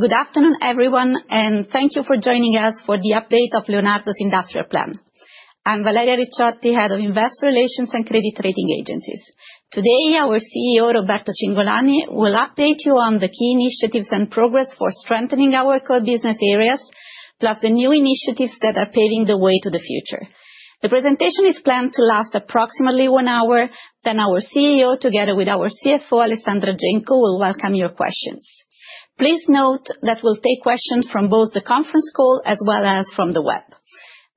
Good afternoon, everyone, and thank you for joining us for the update of Leonardo's Industrial Plan. I'm Valeria Ricciotti, Head of Investor Relations and Credit Rating Agencies. Today, our CEO, Roberto Cingolani, will update you on the key initiatives and progress for strengthening our core business areas, plus the new initiatives that are paving the way to the future. The presentation is planned to last approximately one hour, then our CEO, together with our CFO, Alessandra Genco, will welcome your questions. Please note that we'll take questions from both the conference call as well as from the web.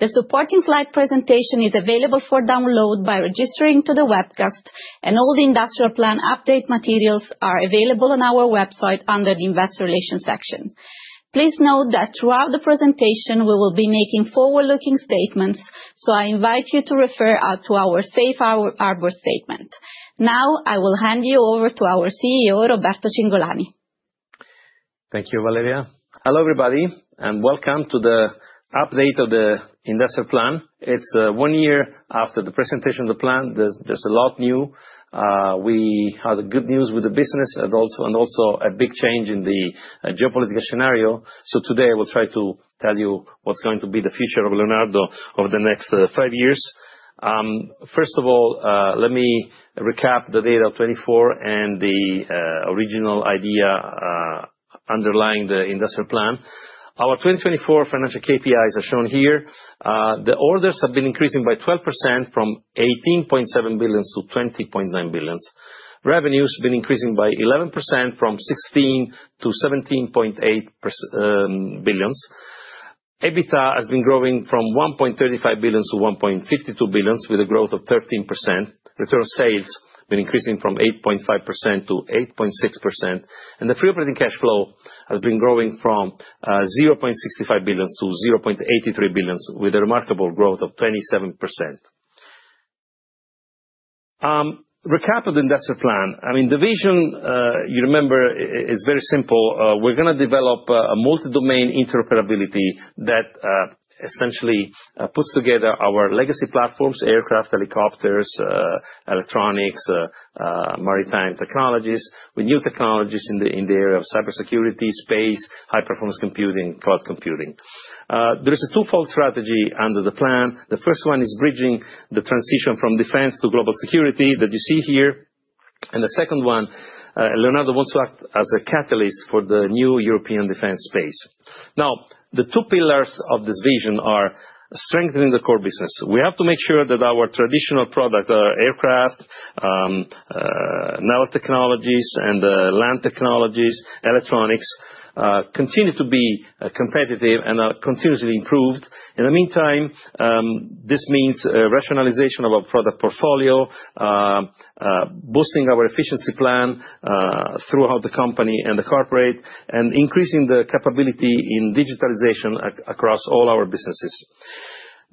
The supporting slide presentation is available for download by registering to the webcast, and all the Industrial Plan update materials are available on our website under the Investor Relations section. Please note that throughout the presentation, we will be making forward-looking statements, so I invite you to refer to our Safe Harbor statement. Now, I will hand you over to our CEO, Roberto Cingolani. Thank you, Valeria. Hello, everybody, and welcome to the update of the Industrial Plan. It's one year after the presentation of the plan. There's a lot new. We had good news with the business and also a big change in the geopolitical scenario. Today, we'll try to tell you what's going to be the future of Leonardo over the next five years. First of all, let me recap the data of 2024 and the original idea underlying the Industrial Plan. Our 2024 financial KPIs are shown here. The orders have been increasing by 12% from 18.7 billion to 20.9 billion. Revenues have been increasing by 11% from 16 billion to 17.8 billion. EBITDA has been growing from 1.35 billion to 1.52 billion, with a growth of 13%. Return on sales has been increasing from 8.5% to 8.6%. The free operating cash flow has been growing from 0.65 billion to 0.83 billion, with a remarkable growth of 27%. Recap of the Industrial Plan. I mean, the vision, you remember, is very simple. We are going to develop a multi-domain interoperability that essentially puts together our legacy platforms: aircraft, helicopters, electronics, maritime technologies, with new technologies in the area of cybersecurity, space, high-performance computing, and cloud computing. There is a twofold strategy under the plan. The first one is bridging the transition from defense to global security that you see here. The second one, Leonardo wants to act as a catalyst for the new European defense space. Now, the two pillars of this vision are strengthening the core business. We have to make sure that our traditional products, our aircraft, nanotechnologies, and land technologies, electronics, continue to be competitive and are continuously improved. In the meantime, this means rationalization of our product portfolio, boosting our efficiency plan throughout the company and the corporate, and increasing the capability in digitalization across all our businesses.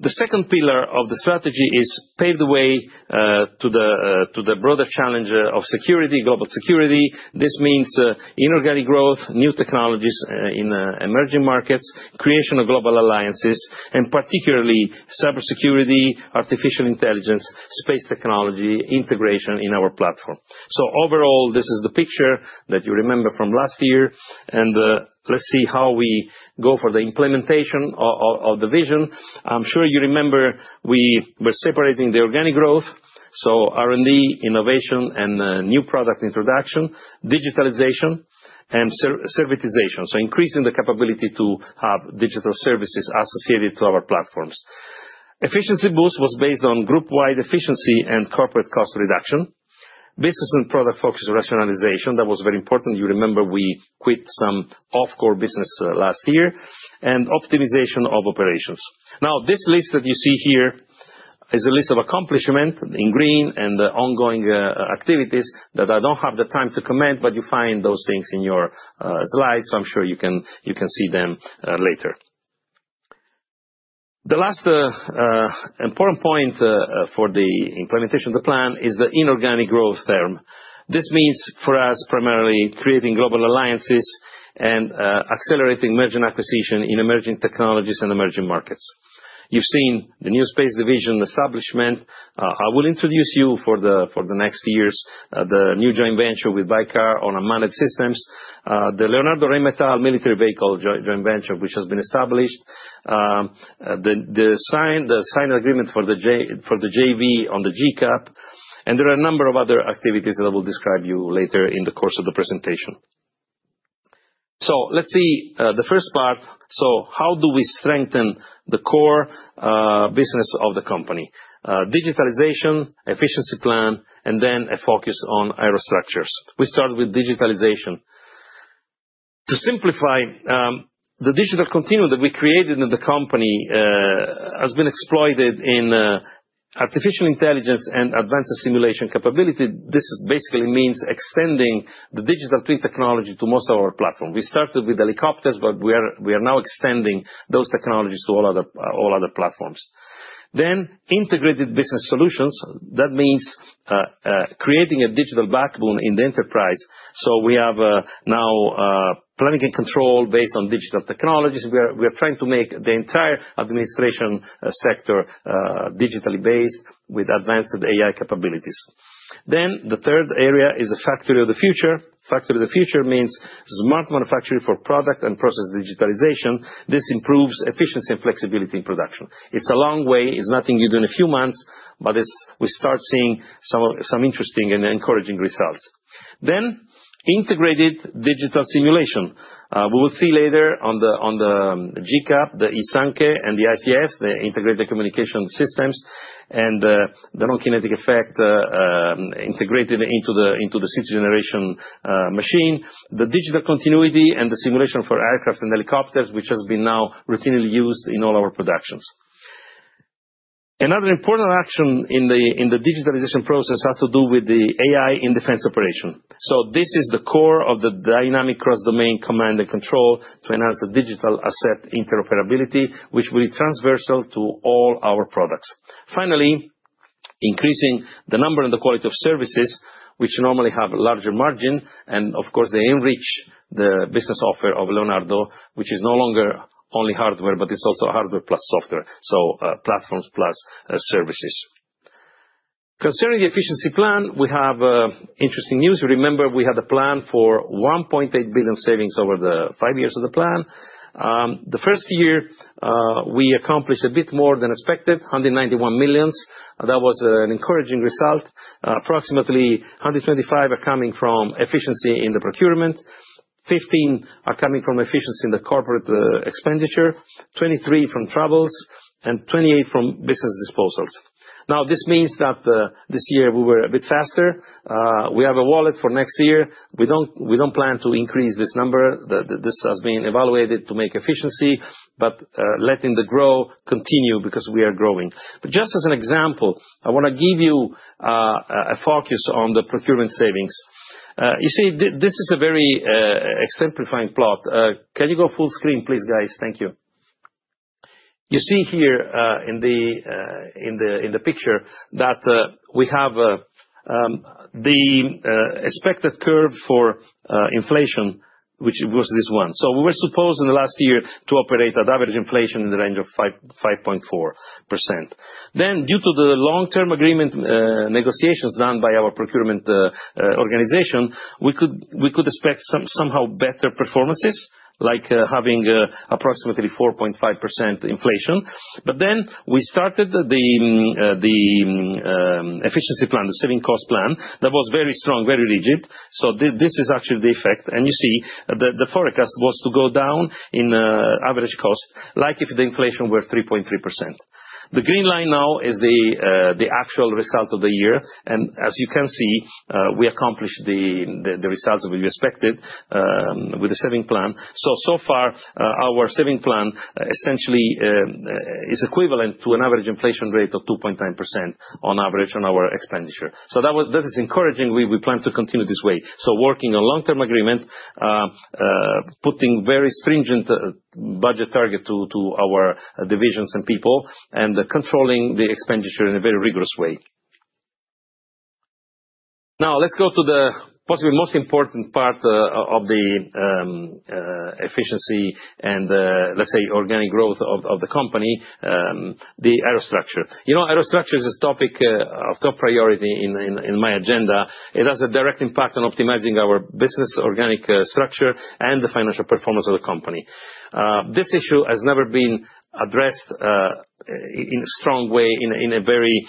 The second pillar of the strategy is paved the way to the broader challenge of security, global security. This means inorganic growth, new technologies in emerging markets, creation of global alliances, and particularly cybersecurity, artificial intelligence, space technology integration in our platform. Overall, this is the picture that you remember from last year. Let's see how we go for the implementation of the vision. I'm sure you remember we were separating the organic growth, so R&D, innovation, and new product introduction, digitalization, and servitization, so increasing the capability to have digital services associated to our platforms. Efficiency boost was based on group-wide efficiency and corporate cost reduction, business and product focus rationalization. That was very important. You remember we quit some off-core business last year, and optimization of operations. Now, this list that you see here is a list of accomplishments in green and ongoing activities that I do not have the time to comment, but you find those things in your slides, so I am sure you can see them later. The last important point for the implementation of the plan is the inorganic growth term. This means for us primarily creating global alliances and accelerating merger and acquisition in emerging technologies and emerging markets. You have seen the new space division establishment. I will introduce you for the next years the new joint venture with Baykar on unmanned systems, the Leonardo Rheinmetall military vehicle joint venture, which has been established, the signed agreement for the JV on the GCAP. There are a number of other activities that I will describe to you later in the course of the presentation. Let's see the first part. How do we strengthen the core business of the company? Digitalization, efficiency plan, and then a focus on Aerostructures. We start with digitalization. To simplify, the digital continuum that we created in the company has been exploited in artificial intelligence and advanced simulation capability. This basically means extending the digital twin technology to most of our platform. We started with helicopters, but we are now extending those technologies to all other platforms. Integrated business solutions means creating a digital backbone in the enterprise. We have now planning and control based on digital technologies. We are trying to make the entire administration sector digitally based with advanced AI capabilities. The third area is the factory of the future. Factory of the future means smart manufacturing for product and process digitalization. This improves efficiency and flexibility in production. It's a long way. It's nothing you do in a few months, but we start seeing some interesting and encouraging results. Integrated digital simulation. We will see later on the GCAP, the ISANKE, and the ICS, the integrated communication systems, and the non-kinetic effect integrated into the sixth-generation machine, the digital continuity and the simulation for aircraft and helicopters, which has been now routinely used in all our productions. Another important action in the digitalization process has to do with the AI in defense operation. This is the core of the dynamic cross-domain command and control to enhance the digital asset interoperability, which will be transversal to all our products. Finally, increasing the number and the quality of services, which normally have a larger margin. Of course, they enrich the business offer of Leonardo, which is no longer only hardware, but it's also hardware plus software, so platforms plus services. Concerning the efficiency plan, we have interesting news. You remember we had a plan for 1.8 billion savings over the five years of the plan. The first year, we accomplished a bit more than expected, 191 million. That was an encouraging result. Approximately 125 million are coming from efficiency in the procurement, 15 million are coming from efficiency in the corporate expenditure, 23 million from travels, and 28 million from business disposals. Now, this means that this year we were a bit faster. We have a wallet for next year. We don't plan to increase this number. This has been evaluated to make efficiency, but letting the grow continue because we are growing. Just as an example, I want to give you a focus on the procurement savings. You see, this is a very exemplifying plot. Can you go full screen, please, guys? Thank you. You see here in the picture that we have the expected curve for inflation, which was this one. We were supposed in the last year to operate at average inflation in the range of 5.4%. Then, due to the long-term agreement negotiations done by our procurement organization, we could expect somehow better performances, like having approximately 4.5% inflation. We started the efficiency plan, the saving cost plan that was very strong, very rigid. This is actually the effect. You see that the forecast was to go down in average cost, like if the inflation were 3.3%. The green line now is the actual result of the year. As you can see, we accomplished the results that we expected with the saving plan. So far, our saving plan essentially is equivalent to an average inflation rate of 2.9% on average on our expenditure. That is encouraging. We plan to continue this way, working on long-term agreement, putting very stringent budget targets to our divisions and people, and controlling the expenditure in a very rigorous way. Now, let's go to the possibly most important part of the efficiency and, let's say, organic growth of the company, the Aerostructures. Aerostructures is a topic of top priority in my agenda. It has a direct impact on optimizing our business organic structure and the financial performance of the company. This issue has never been addressed in a strong way, in a very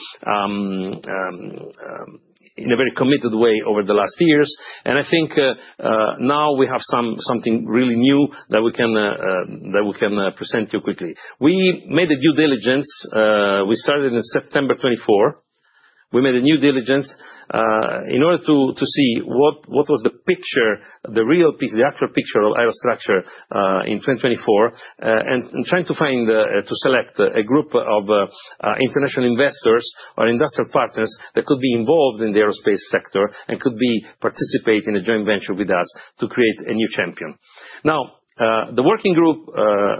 committed way over the last years. I think now we have something really new that we can present to you quickly. We made a due diligence. We started in September 2024. We made a due diligence in order to see what was the picture, the real picture, the actual picture of Aerostructures in 2024, and trying to find, to select a group of international investors or industrial partners that could be involved in the aerospace sector and could participate in a joint venture with us to create a new champion. Now, the working group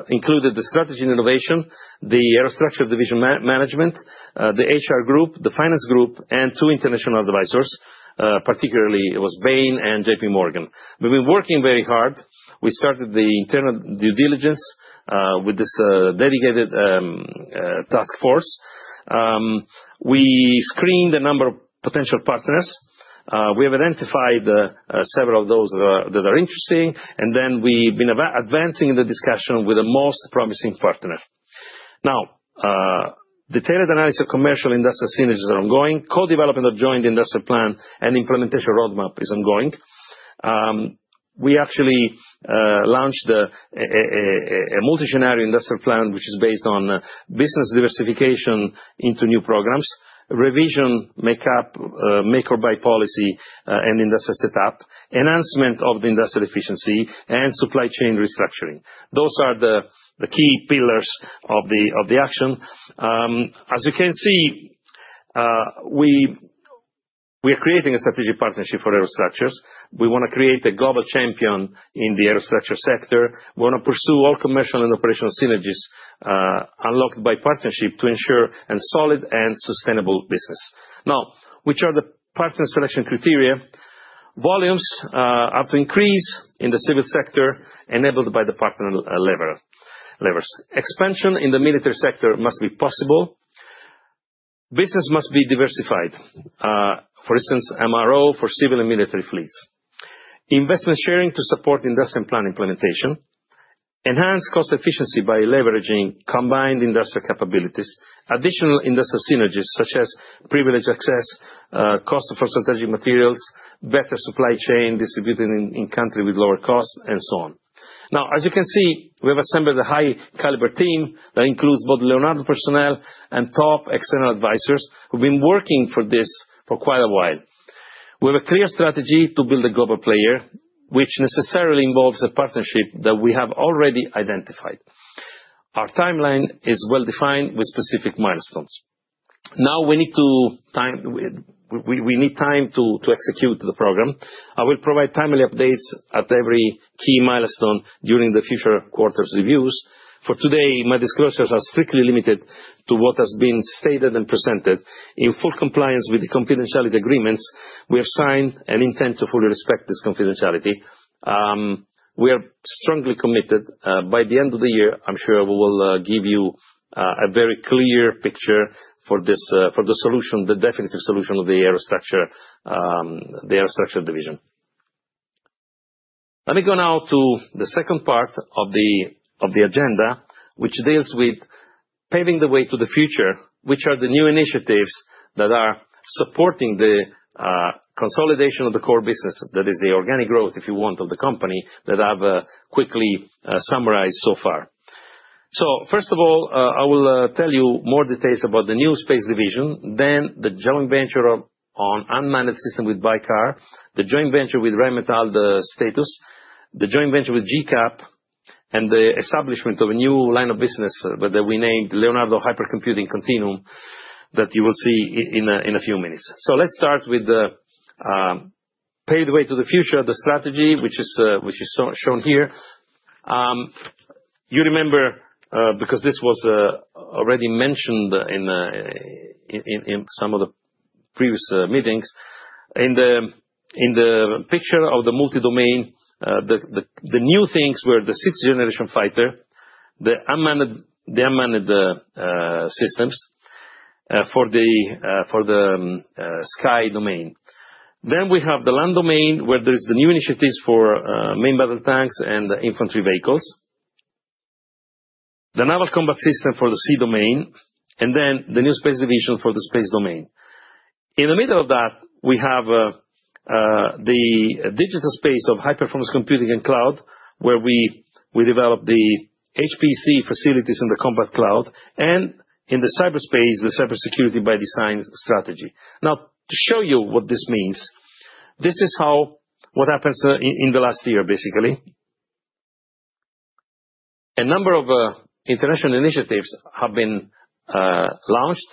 included the strategy and innovation, the Aerostructures division management, the HR group, the finance group, and two international advisors, particularly it was Bain and JPMorgan. We have been working very hard. We started the internal due diligence with this dedicated task force. We screened a number of potential partners. We have identified several of those that are interesting. We have been advancing the discussion with the most promising partner. Now, detailed analysis of commercial industrial synergies are ongoing. Co-development of joint industrial plan and implementation roadmap is ongoing. We actually launched a multi-generic industrial plan, which is based on business diversification into new programs, revision, makeup, make or buy policy, and industrial setup, enhancement of the industrial efficiency, and supply chain restructuring. Those are the key pillars of the action. As you can see, we are creating a strategic partnership for Aerostructures. We want to create a global champion in the Aerostructures sector. We want to pursue all commercial and operational synergies unlocked by partnership to ensure a solid and sustainable business. Now, which are the partner selection criteria? Volumes have to increase in the civil sector enabled by the partner levers. Expansion in the military sector must be possible. Business must be diversified. For instance, MRO for civil and military fleets. Investment sharing to support industry and plan implementation. Enhance cost efficiency by leveraging combined industrial capabilities. Additional industrial synergies, such as privilege access, cost for strategic materials, better supply chain distributed in country with lower cost, and so on. Now, as you can see, we have assembled a high-caliber team that includes both Leonardo personnel and top external advisors who've been working for this for quite a while. We have a clear strategy to build a global player, which necessarily involves a partnership that we have already identified. Our timeline is well-defined with specific milestones. Now, we need time to execute the program. I will provide timely updates at every key milestone during the future quarter's reviews. For today, my disclosures are strictly limited to what has been stated and presented. In full compliance with the confidentiality agreements, we have signed an intent to fully respect this confidentiality. We are strongly committed. By the end of the year, I'm sure we will give you a very clear picture for the solution, the definitive solution of the Aerostructures division. Let me go now to the second part of the agenda, which deals with paving the way to the future, which are the new initiatives that are supporting the consolidation of the core business, that is the organic growth, if you want, of the company that I've quickly summarized so far. First of all, I will tell you more details about the new space division, then the joint venture on unmanned system with Baykar, the joint venture with Rheinmetall, the status, the joint venture with GCAP, and the establishment of a new line of business that we named Leonardo Hypercomputing Continuum that you will see in a few minutes. Let's start with the paved way to the future, the strategy, which is shown here. You remember, because this was already mentioned in some of the previous meetings, in the picture of the multi-domain, the new things were the sixth-generation fighter, the unmanned systems for the sky domain. We have the land domain where there are the new initiatives for main battle tanks and infantry vehicles, the naval combat system for the sea domain, and then the new space division for the space domain. In the middle of that, we have the digital space of high-performance computing and cloud, where we develop the HPC facilities in the combat cloud, and in the cyberspace, the cybersecurity by design strategy. Now, to show you what this means, this is what happens in the last year, basically. A number of international initiatives have been launched,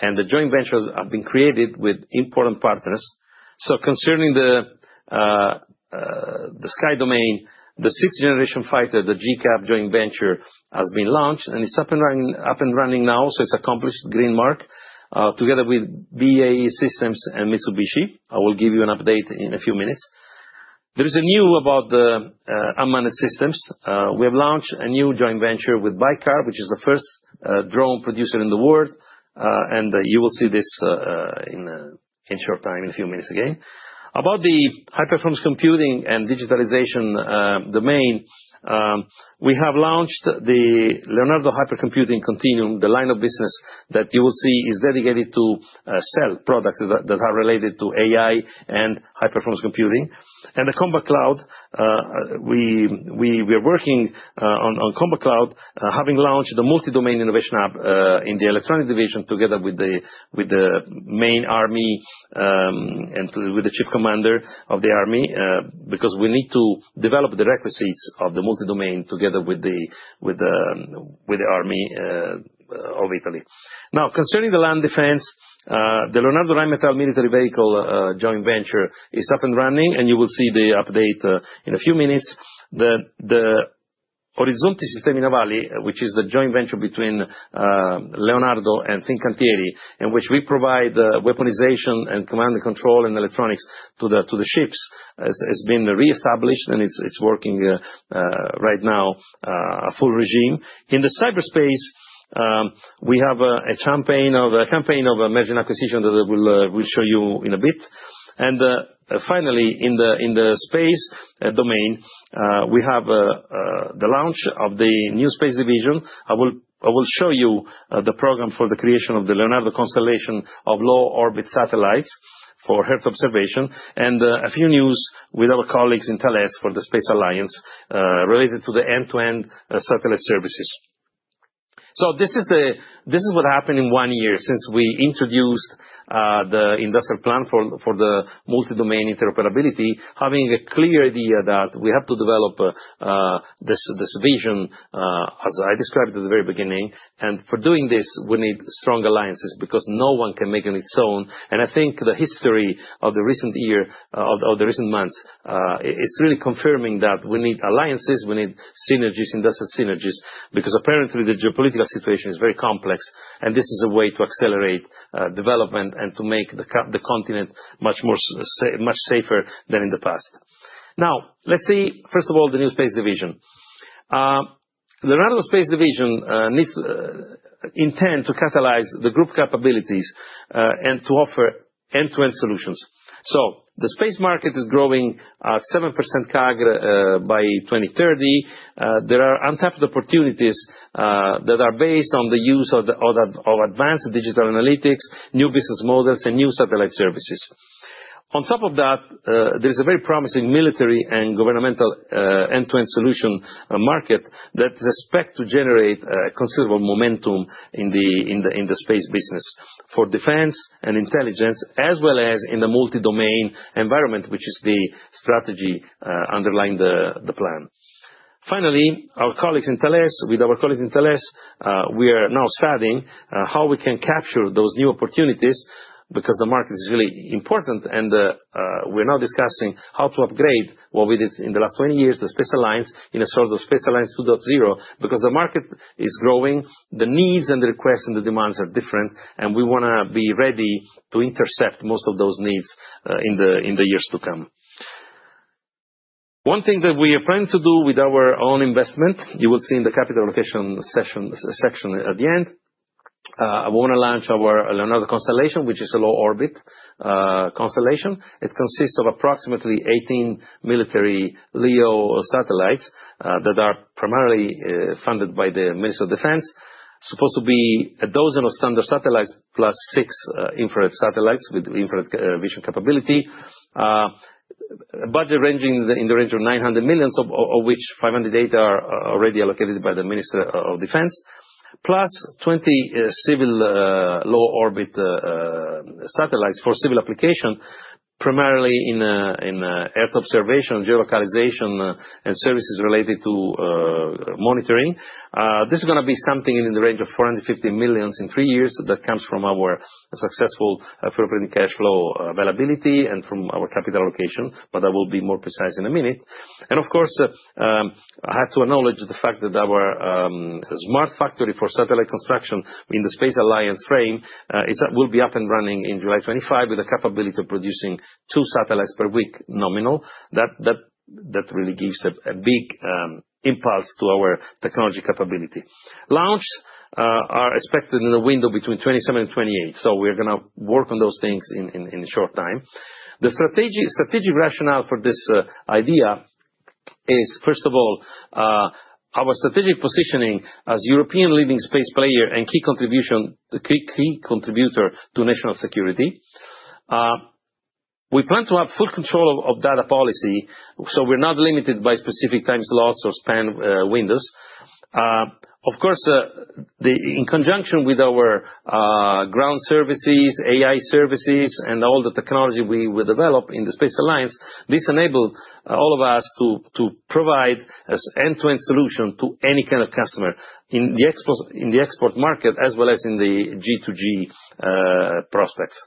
and the joint ventures have been created with important partners. Concerning the sky domain, the sixth-generation fighter, the GCAP joint venture, has been launched, and it's up and running now. It's accomplished, green mark, together with BAE Systems and Mitsubishi. I will give you an update in a few minutes. There is a news about the unmanned systems. We have launched a new joint venture with Baykar, which is the first drone producer in the world. You will see this in short time, in a few minutes again. About the high-performance computing and digitalization domain, we have launched the Leonardo Hypercomputing Continuum, the line of business that you will see is dedicated to sell products that are related to AI and high-performance computing. The combat cloud, we are working on combat cloud, having launched the multi-domain innovation app in the electronic division together with the main army and with the Chief Commander of the army, because we need to develop the requisites of the multi-domain together with the army of Italy. Now, concerning the land defense, the Leonardo Rheinmetall military vehicle joint venture is up and running, and you will see the update in a few minutes. The Orizzonte Sistemi Navali, which is the joint venture between Leonardo and Fincantieri, in which we provide weaponization and command and control and electronics to the ships, has been reestablished, and it's working right now at full regime. In the cyberspace, we have a campaign of a merging acquisition that I will show you in a bit. Finally, in the space domain, we have the launch of the new space division. I will show you the program for the creation of the Leonardo Constellation of low-orbit satellites for Earth observation, and a few news with our colleagues in Thales for the Space Alliance related to the end-to-end satellite services. This is what happened in one year since we introduced the industrial plan for the multi-domain interoperability, having a clear idea that we have to develop this vision, as I described at the very beginning. For doing this, we need strong alliances because no one can make it on its own. I think the history of the recent year, of the recent months, is really confirming that we need alliances, we need synergies, industrial synergies, because apparently the geopolitical situation is very complex, and this is a way to accelerate development and to make the continent much safer than in the past. Now, let's see, first of all, the new space division. The Leonardo space division intends to catalyze the group capabilities and to offer end-to-end solutions. The space market is growing at 7% CAGR by 2030. There are untapped opportunities that are based on the use of advanced digital analytics, new business models, and new satellite services. On top of that, there is a very promising military and governmental end-to-end solution market that is expected to generate considerable momentum in the space business for defense and intelligence, as well as in the multi-domain environment, which is the strategy underlying the plan. Finally, with our colleagues in Thales, we are now studying how we can capture those new opportunities because the market is really important. We are now discussing how to upgrade what we did in the last 20 years, the Space Alliance, in a sort of Space Alliance 2.0, because the market is growing, the needs and the requests and the demands are different, and we want to be ready to intercept most of those needs in the years to come. One thing that we are planning to do with our own investment, you will see in the capital allocation section at the end, I want to launch our Leonardo Constellation, which is a low-orbit constellation. It consists of approximately 18 military LEO satellites that are primarily funded by the Ministry of Defense, supposed to be a dozen of standard satellites plus six infrared satellites with infrared vision capability, a budget ranging in the range of 900 million, of which 508 million are already allocated by the Ministry of Defense,+20 civil low-orbit satellites for civil application, primarily in Earth observation, geolocalization, and services related to monitoring. This is going to be something in the range of 450 million in three years that comes from our successful fuel print cash flow availability and from our capital allocation, but I will be more precise in a minute. Of course, I have to acknowledge the fact that our smart factory for satellite construction in the Space Alliance frame will be up and running in July 2025 with the capability of producing two satellites per week nominal. That really gives a big impulse to our technology capability. Launches are expected in the window between 2027 and 2028. We are going to work on those things in a short time. The strategic rationale for this idea is, first of all, our strategic positioning as a European leading space player and key contribution to national security. We plan to have full control of data policy, so we are not limited by specific time slots or span windows. Of course, in conjunction with our ground services, AI services, and all the technology we develop in the Space Alliance, this enables all of us to provide an end-to-end solution to any kind of customer in the export market, as well as in the G2G prospects.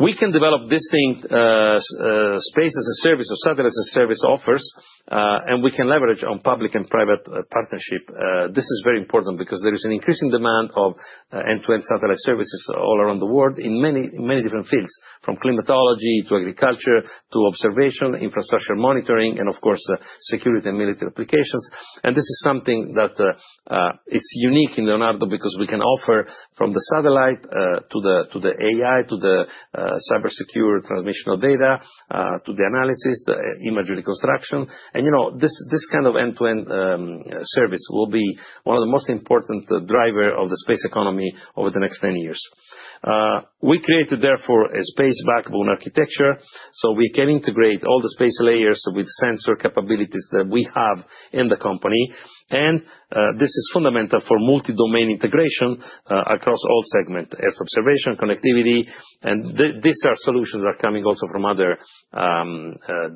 We can develop distinct space as a service or satellite as a service offers, and we can leverage on public and private partnership. This is very important because there is an increasing demand for end-to-end satellite services all around the world in many different fields, from climatology to agriculture to observation, infrastructure monitoring, and of course, security and military applications. This is something that is unique in Leonardo because we can offer from the satellite to the AI, to the cybersecure transmission of data, to the analysis, the imagery construction. This kind of end-to-end service will be one of the most important drivers of the space economy over the next 10 years. We created, therefore, a space backbone architecture. We can integrate all the space layers with sensor capabilities that we have in the company. This is fundamental for multi-domain integration across all segments: Earth observation, connectivity. These solutions are coming also from other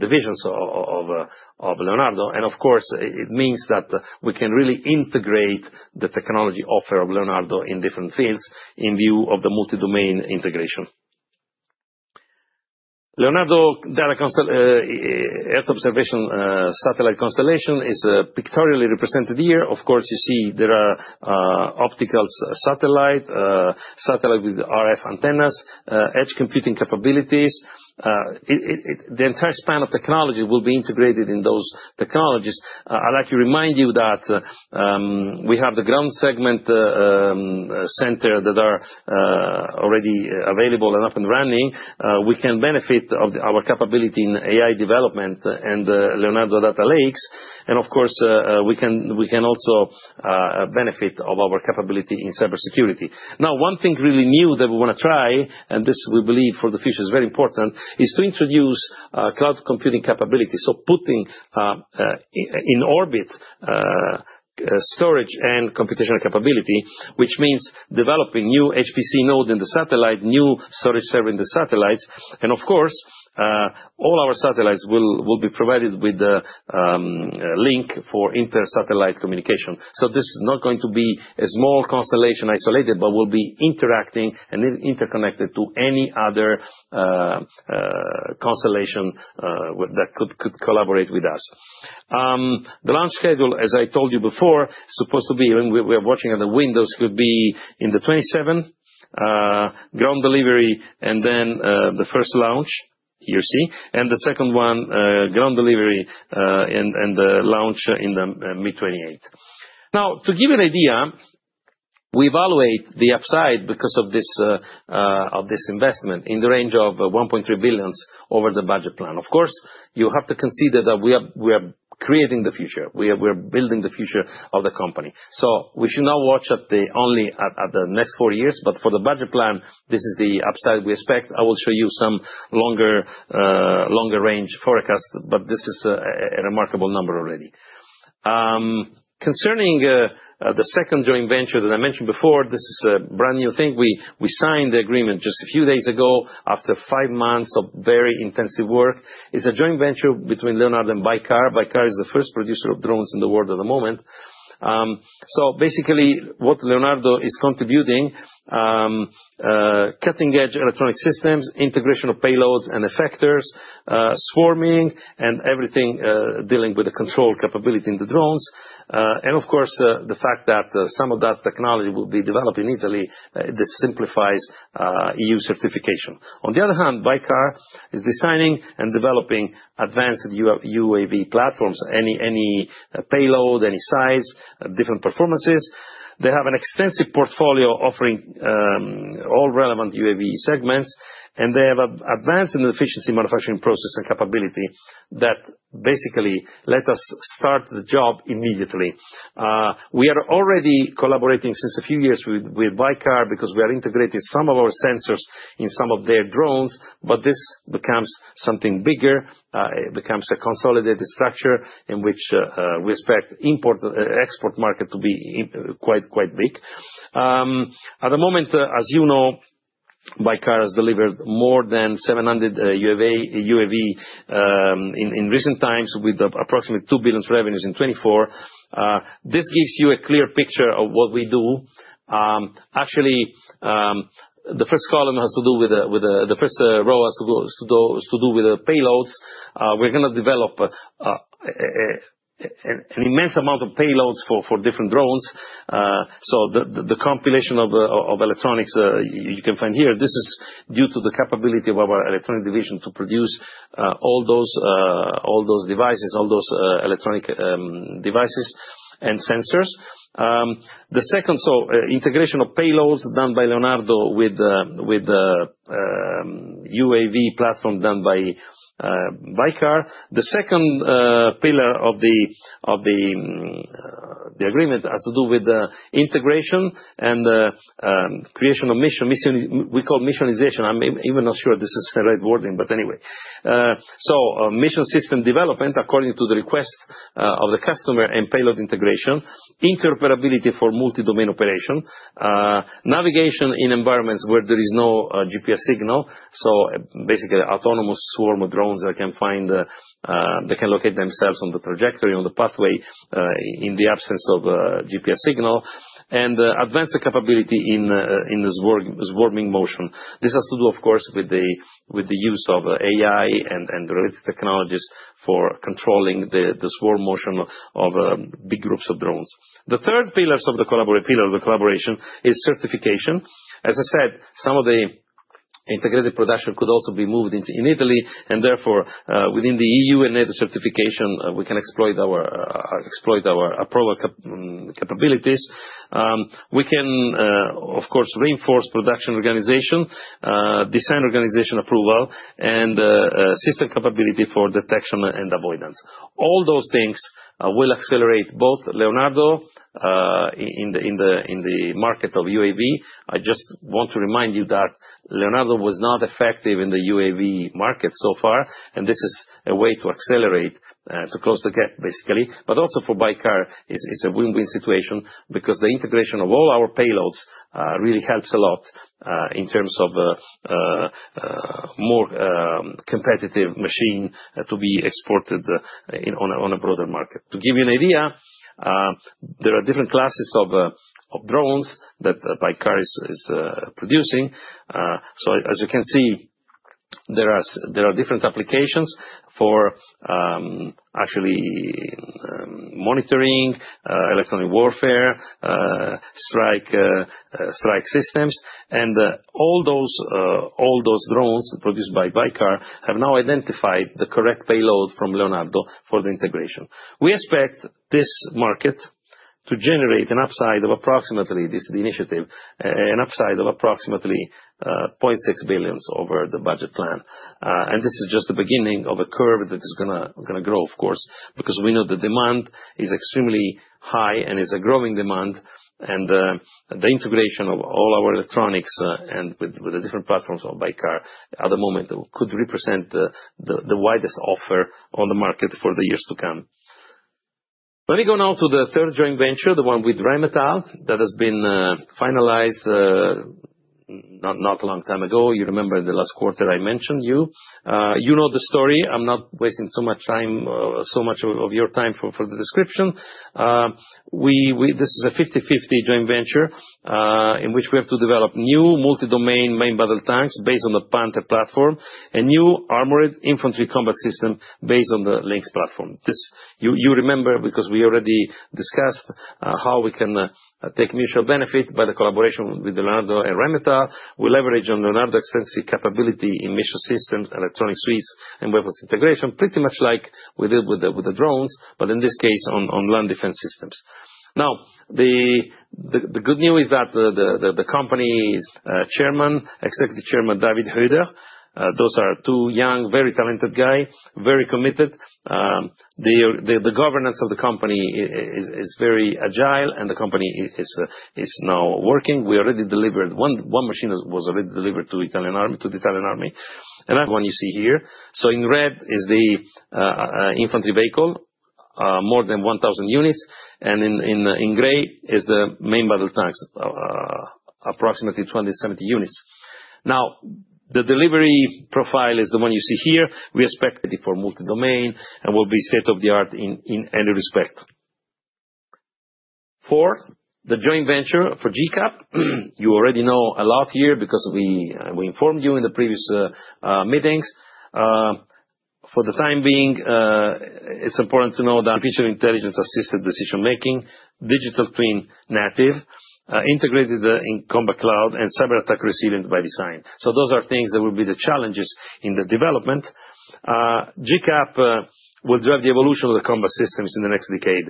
divisions of Leonardo. Of course, it means that we can really integrate the technology offered of Leonardo in different fields in view of the multi-domain integration. Leonardo earth observation satellite constellation is pictorially represented here. You see there are optical satellites, satellites with RF antennas, edge computing capabilities. The entire span of technology will be integrated in those technologies. I'd like to remind you that we have the ground segment center that is already available and up and running. We can benefit from our capability in AI development and Leonardo data lakes. Of course, we can also benefit from our capability in cybersecurity. One thing really new that we want to try, and this we believe for the future is very important, is to introduce cloud computing capabilities. Putting in orbit storage and computational capability, which means developing new HPC nodes in the satellite, new storage server in the satellites. Of course, all our satellites will be provided with a link for inter-satellite communication. This is not going to be a small constellation isolated, but will be interacting and interconnected to any other constellation that could collaborate with us. The launch schedule, as I told you before, is supposed to be—we are watching on the windows—could be in the 2027 ground delivery, and then the first launch, you see, and the second one, ground delivery and launch in the mid-2028. Now, to give you an idea, we evaluate the upside because of this investment in the range of 1.3 billion over the budget plan. Of course, you have to consider that we are creating the future. We are building the future of the company. We should now watch only at the next four years. For the budget plan, this is the upside we expect. I will show you some longer-range forecast, but this is a remarkable number already. Concerning the second joint venture that I mentioned before, this is a brand new thing. We signed the agreement just a few days ago after five months of very intensive work. It's a joint venture between Leonardo and Baykar. Baykar is the first producer of drones in the world at the moment. Basically, what Leonardo is contributing: cutting-edge electronic systems, integration of payloads and effectors, swarming, and everything dealing with the control capability in the drones. Of course, the fact that some of that technology will be developed in Italy, this simplifies EU certification. On the other hand, Baykar is designing and developing advanced UAV platforms, any payload, any size, different performances. They have an extensive portfolio offering all relevant UAV segments, and they have advanced in the efficiency manufacturing process and capability that basically let us start the job immediately. We are already collaborating since a few years with Baykar because we are integrating some of our sensors in some of their drones, but this becomes something bigger. It becomes a consolidated structure in which we expect the import-export market to be quite big. At the moment, as you know, Baykar has delivered more than 700 UAV in recent times with approximately 2 billion revenues in 2024. This gives you a clear picture of what we do. Actually, the first column has to do with the first row has to do with the payloads. We're going to develop an immense amount of payloads for different drones. So the compilation of electronics you can find here, this is due to the capability of our electronic division to produce all those devices, all those electronic devices and sensors. The second, so integration of payloads done by Leonardo with the UAV platform done by Baykar. The second pillar of the agreement has to do with the integration and creation of mission. We call missionization. I'm even not sure this is the right wording, but anyway. Mission system development according to the request of the customer and payload integration, interoperability for multi-domain operation, navigation in environments where there is no GPS signal. Basically, autonomous swarm drones that can find, they can locate themselves on the trajectory, on the pathway in the absence of GPS signal, and advanced capability in swarming motion. This has to do, of course, with the use of AI and related technologies for controlling the swarm motion of big groups of drones. The third pillar of the collaboration is certification. As I said, some of the integrated production could also be moved in Italy. Therefore, within the EU and NATO certification, we can exploit our approval capabilities. We can, of course, reinforce production organization, design organization approval, and system capability for detection and avoidance. All those things will accelerate both Leonardo in the market of UAV. I just want to remind you that Leonardo was not effective in the UAV market so far, and this is a way to accelerate, to close the gap, basically. Also for Baykar, it's a win-win situation because the integration of all our payloads really helps a lot in terms of more competitive machine to be exported on a broader market. To give you an idea, there are different classes of drones that Baykar is producing. As you can see, there are different applications for actually monitoring, electronic warfare, strike systems. All those drones produced by Baykar have now identified the correct payload from Leonardo for the integration. We expect this market to generate an upside of approximately, this is the initiative, an upside of approximately 0.6 billion over the budget plan. This is just the beginning of a curve that is going to grow, of course, because we know the demand is extremely high and is a growing demand. The integration of all our electronics and with the different platforms of Baykar at the moment could represent the widest offer on the market for the years to come. Let me go now to the third joint venture, the one with Rheinmetall that has been finalized not a long time ago. You remember the last quarter I mentioned you. You know the story. I'm not wasting so much of your time for the description. This is a 50/50 joint venture in which we have to develop new multi-domain main battle tanks based on the Panther platform and new armored infantry combat system based on the Lynx platform. You remember because we already discussed how we can take mutual benefit by the collaboration with Leonardo and Rheinmetall. We leverage on Leonardo's extensive capability in mission systems, electronic suites, and weapons integration, pretty much like we did with the drones, but in this case on land defense systems. Now, the good news is that the company's Chairman, Executive Chairman David Hoeder, those are two young, very talented guys, very committed. The governance of the company is very agile, and the company is now working. We already delivered one machine that was already delivered to the Italian army. And one you see here. So in red is the infantry vehicle, more than 1,000 units. In gray is the main battle tanks, approximately 20 units-70 units. The delivery profile is the one you see here. We expect for multi-domain and will be state of the art in any respect. For the joint venture for GCAP, you already know a lot here because we informed you in the previous meetings. For the time being, it's important to know. Future intelligence-assisted decision-making, digital twin native, integrated in combat cloud, and cyber attack resilient by design. Those are things that will be the challenges in the development. GCAP will drive the evolution of the combat systems in the next decade.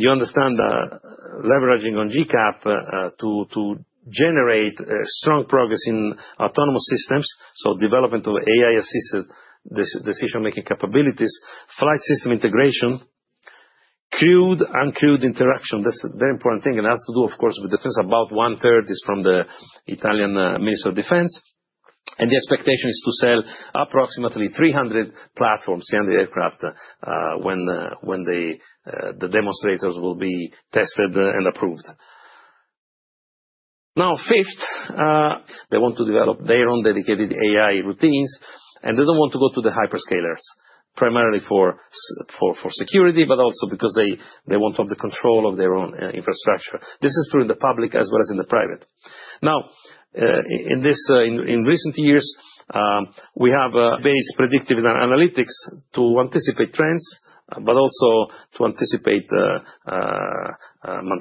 You understand leveraging on GCAP to generate strong progress in autonomous systems. Development of AI-assisted decision-making capabilities, flight system integration, crewed and crewed interaction. That's a very important thing. It has to do, of course, with. About one-third is from the Italian Ministry of Defense. The expectation is to sell approximately 300 platforms, 300 aircraft when the demonstrators will be tested and approved. Now, fifth, they want to develop their own dedicated AI routines. They don't want to go to the hyperscalers, primarily for security, but also because they want to have the control of their own infrastructure. This is true in the public as well as in the private. In recent years, we have based predictive analytics to anticipate trends, but also to anticipate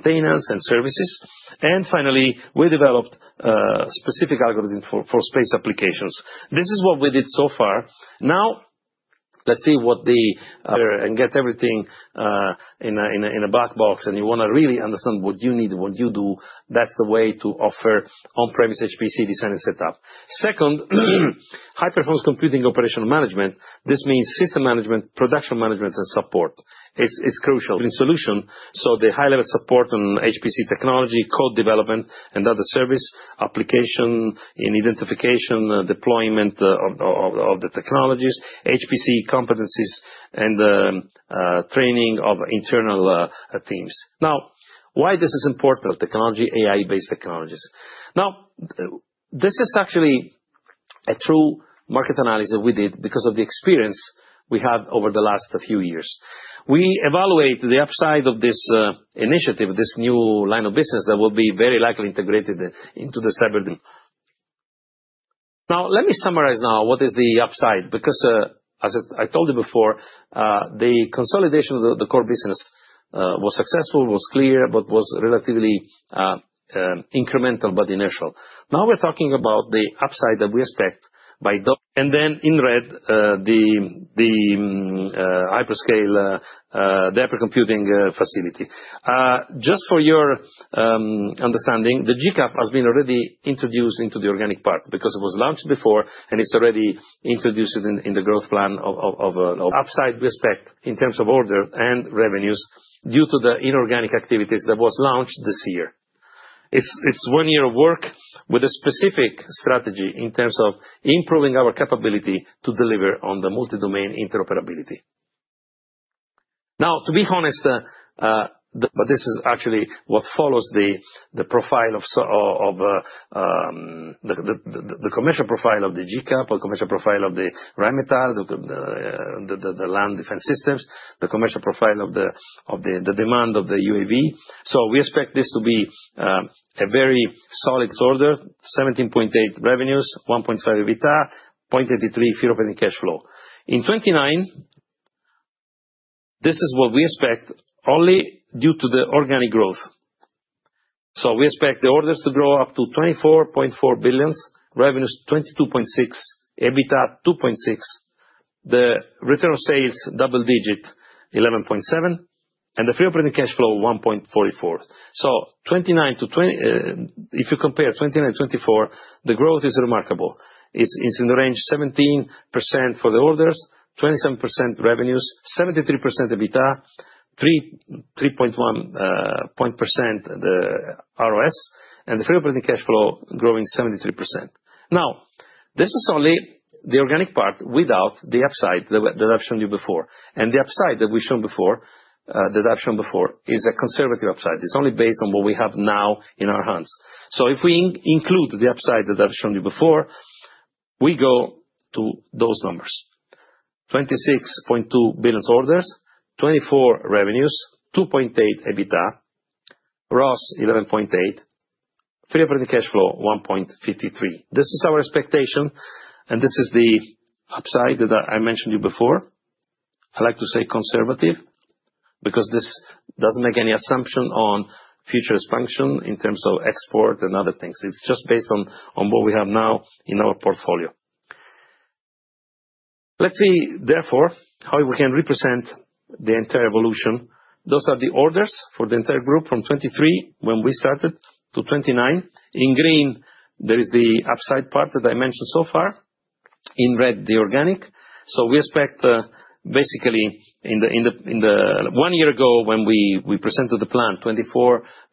maintenance and services. Finally, we developed specific algorithms for space applications. This is what we did so far. Now, let's see what the, and get everything in a black box, and you want to really understand what you need, what you do, that's the way to offer on-premise HPC design and setup. Second, high-performance computing operational management. This means system management, production management, and support. It's crucial. Solution. The high-level support on HPC technology, code development, and other service application in identification, deployment of the technologies, HPC competencies, and training of internal teams. Now, why this is important. Technology, AI-based technologies. This is actually a true market analysis we did because of the experience we had over the last few years. We evaluated the upside of this initiative, this new line of business that will be very likely integrated into the cyber. Let me summarize now what is the upside. Because as I told you before, the consolidation of the core business was successful, was clear, but was relatively incremental, but inertial. Now we're talking about the upside that we expect by. In red, the hyperscale, the hypercomputing facility. Just for your understanding, the GCAP has been already introduced into the organic part because it was launched before, and it's already introduced in the growth plan of. Upside we expect in terms of order and revenues due to the inorganic activities that was launched this year. It's one year of work with a specific strategy in terms of improving our capability to deliver on the multi-domain interoperability. Now, to be honest, this is actually what follows the commercial profile of the GCAP, the commercial profile of the Rheinmetall, the land defense systems, the commercial profile of the demand of the UAV. We expect this to be a very solid order, 17.8 billion revenues, 1.5 billion EBITDA, 0.83 billion free operating cash flow. In 2029, this is what we expect only due to the organic growth. We expect the orders to grow up to 24.4 billion, revenues 22.6 billion, EBITDA 2.6 billion, the return on sales double-digit at 11.7%, and the free operating cash flow 1.44 billion. If you compare 2029 to 2024, the growth is remarkable. It is in the range of 17% for the orders, 27% revenues, 73% EBITDA, 3.1% ROS, and the free operating cash flow growing 73%. Now, this is only the organic part without the upside that I have shown you before. The upside that we have shown before, that I have shown before, is a conservative upside. It is only based on what we have now in our hands. If we include the upside that I have shown you before, we go to those numbers: 26.2 billion orders, 24 billion revenues, 2.8 billion EBITDA, ROS 11.8%, free operating cash flow 1.53 billion. This is our expectation, and this is the upside that I mentioned to you before. I like to say conservative because this does not make any assumption on future expansion in terms of export and other things. It is just based on what we have now in our portfolio. Let's see, therefore, how we can represent the entire evolution. Those are the orders for the entire group from 2023 when we started to 2029. In green, there is the upside part that I mentioned so far. In red, the organic. We expect basically in the one year ago when we presented the plan,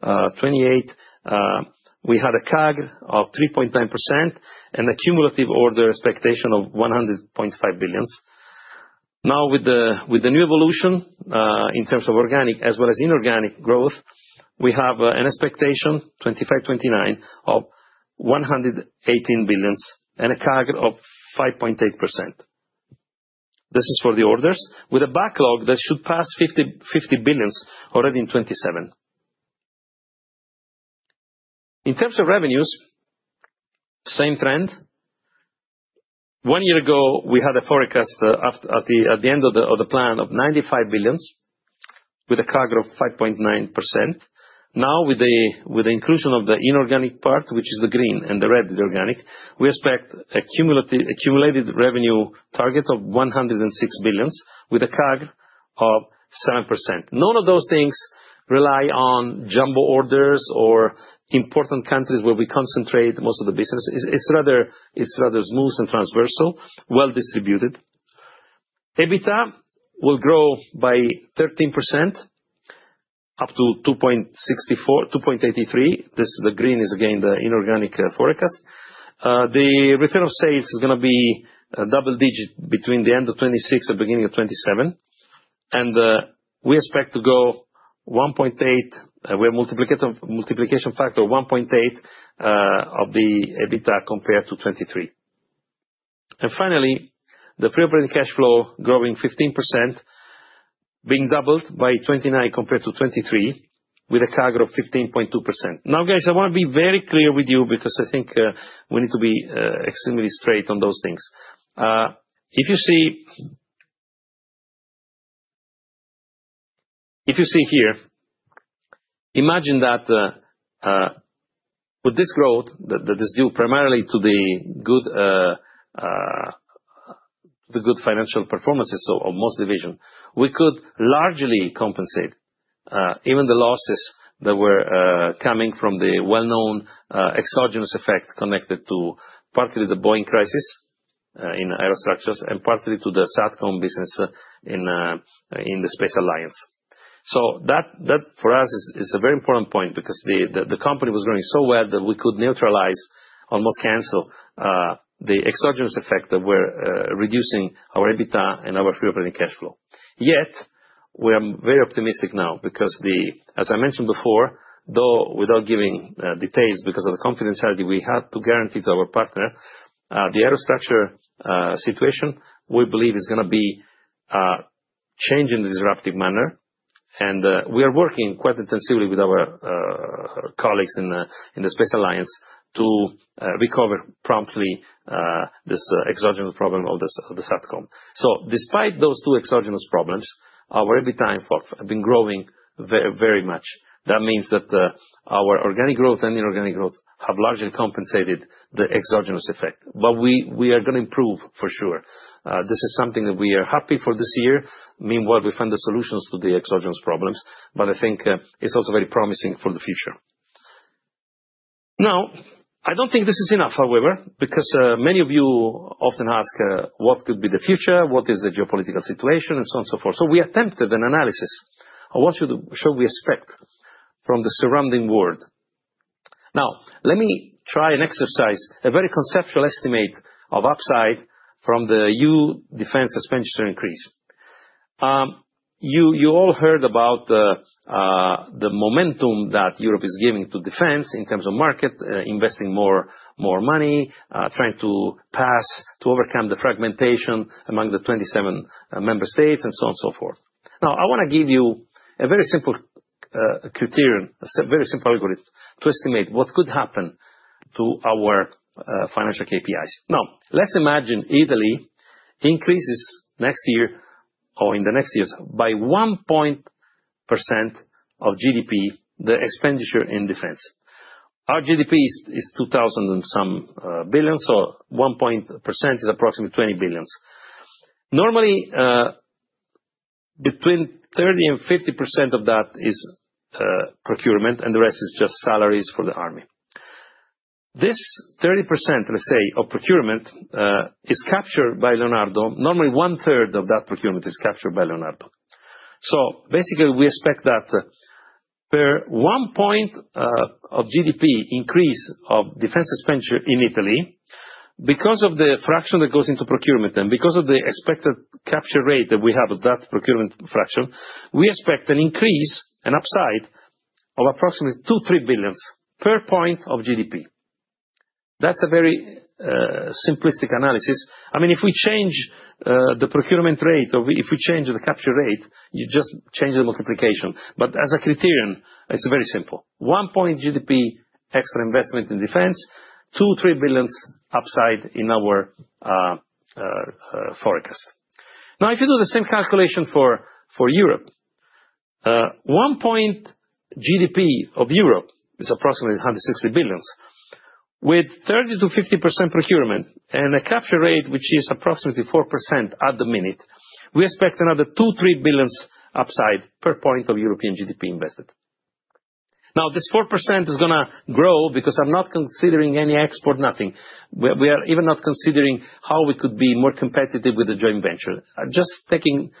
2024-2028, we had a CAGR of 3.9% and a cumulative order expectation of 100.5 billion. Now, with the new evolution in terms of organic as well as inorganic growth, we have an expectation 2025-2029 of 118 billion and a CAGR of 5.8%. This is for the orders with a backlog that should pass 50 billion already in 2027. In terms of revenues, same trend. One year ago, we had a forecast at the end of the plan of 9.5 billion with a CAGR of 5.9%. Now, with the inclusion of the inorganic part, which is the green and the red, the organic, we expect a cumulative revenue target of 10.6 billion with a CAGR of 7%. None of those things rely on jumbo orders or important countries where we concentrate most of the business. It is rather smooth and transversal, well-distributed. EBITDA will grow by 13% up to 2.83 billion. This is the green is again the inorganic forecast. The return on sales is going to be double-digit between the end of 2026 and beginning of 2027. We expect to go 1.8, we have a multiplication factor of 1.8 of the EBITDA compared to 2023. Finally, the free operating cash flow growing 15%, being doubled by 2029 compared to 2023 with a CAGR of 15.2%. Now, guys, I want to be very clear with you because I think we need to be extremely straight on those things. If you see here, imagine that with this growth, that is due primarily to the good financial performances of most division, we could largely compensate even the losses that were coming from the well-known exogenous effect connected to partly the Boeing crisis in aerospace and partly to the Satcom business in the Space Alliance. That for us is a very important point because the company was growing so well that we could neutralize, almost cancel the exogenous effect that were reducing our EBITDA and our free operating cash flow. Yet, we are very optimistic now because, as I mentioned before, though without giving details because of the confidentiality we had to guarantee to our partner, the aerospace situation we believe is going to be changing in a disruptive manner. We are working quite intensively with our colleagues in the Space Alliance to recover promptly this exogenous problem of the Satcom. Despite those two exogenous problems, our EBITDA and FOF have been growing very much. That means that our organic growth and inorganic growth have largely compensated the exogenous effect. We are going to improve for sure. This is something that we are happy for this year. Meanwhile, we find the solutions to the exogenous problems, but I think it's also very promising for the future. Now, I don't think this is enough, however, because many of you often ask what could be the future, what is the geopolitical situation, and so on and so forth. We attempted an analysis of what should we expect from the surrounding world. Now, let me try an exercise, a very conceptual estimate of upside from the EU defense expenditure increase. You all heard about the momentum that Europe is giving to defense in terms of market, investing more money, trying to pass to overcome the fragmentation among the 27 member states, and so on and so forth. I want to give you a very simple criterion, a very simple algorithm to estimate what could happen to our financial KPIs. Let's imagine Italy increases next year or in the next years by 1% of GDP, the expenditure in defense. Our GDP is 2,000 and some billions, so 1% is approximately 20 billion. Normally, between 30% and 50% of that is procurement, and the rest is just salaries for the army. This 30%, let's say, of procurement is captured by Leonardo. Normally, one-third of that procurement is captured by Leonardo. Basically, we expect that per one point of GDP increase of defense expenditure in Italy, because of the fraction that goes into procurement and because of the expected capture rate that we have of that procurement fraction, we expect an increase, an upside of approximately 2 billion-3 billion per point of GDP. That's a very simplistic analysis. I mean, if we change the procurement rate or if we change the capture rate, you just change the multiplication. As a criterion, it's very simple. One point GDP extra investment in defense, 2 billion-3 billion upside in our forecast. Now, if you do the same calculation for Europe, 1 point GDP of Europe is approximately 160 billion. With 30%-50% procurement and a capture rate, which is approximately 4% at the minute, we expect another 2 billion-3 billion upside per point of European GDP invested. Now, this 4% is going to grow because I'm not considering any export, nothing. We are even not considering how we could be more competitive with the joint venture. Just taking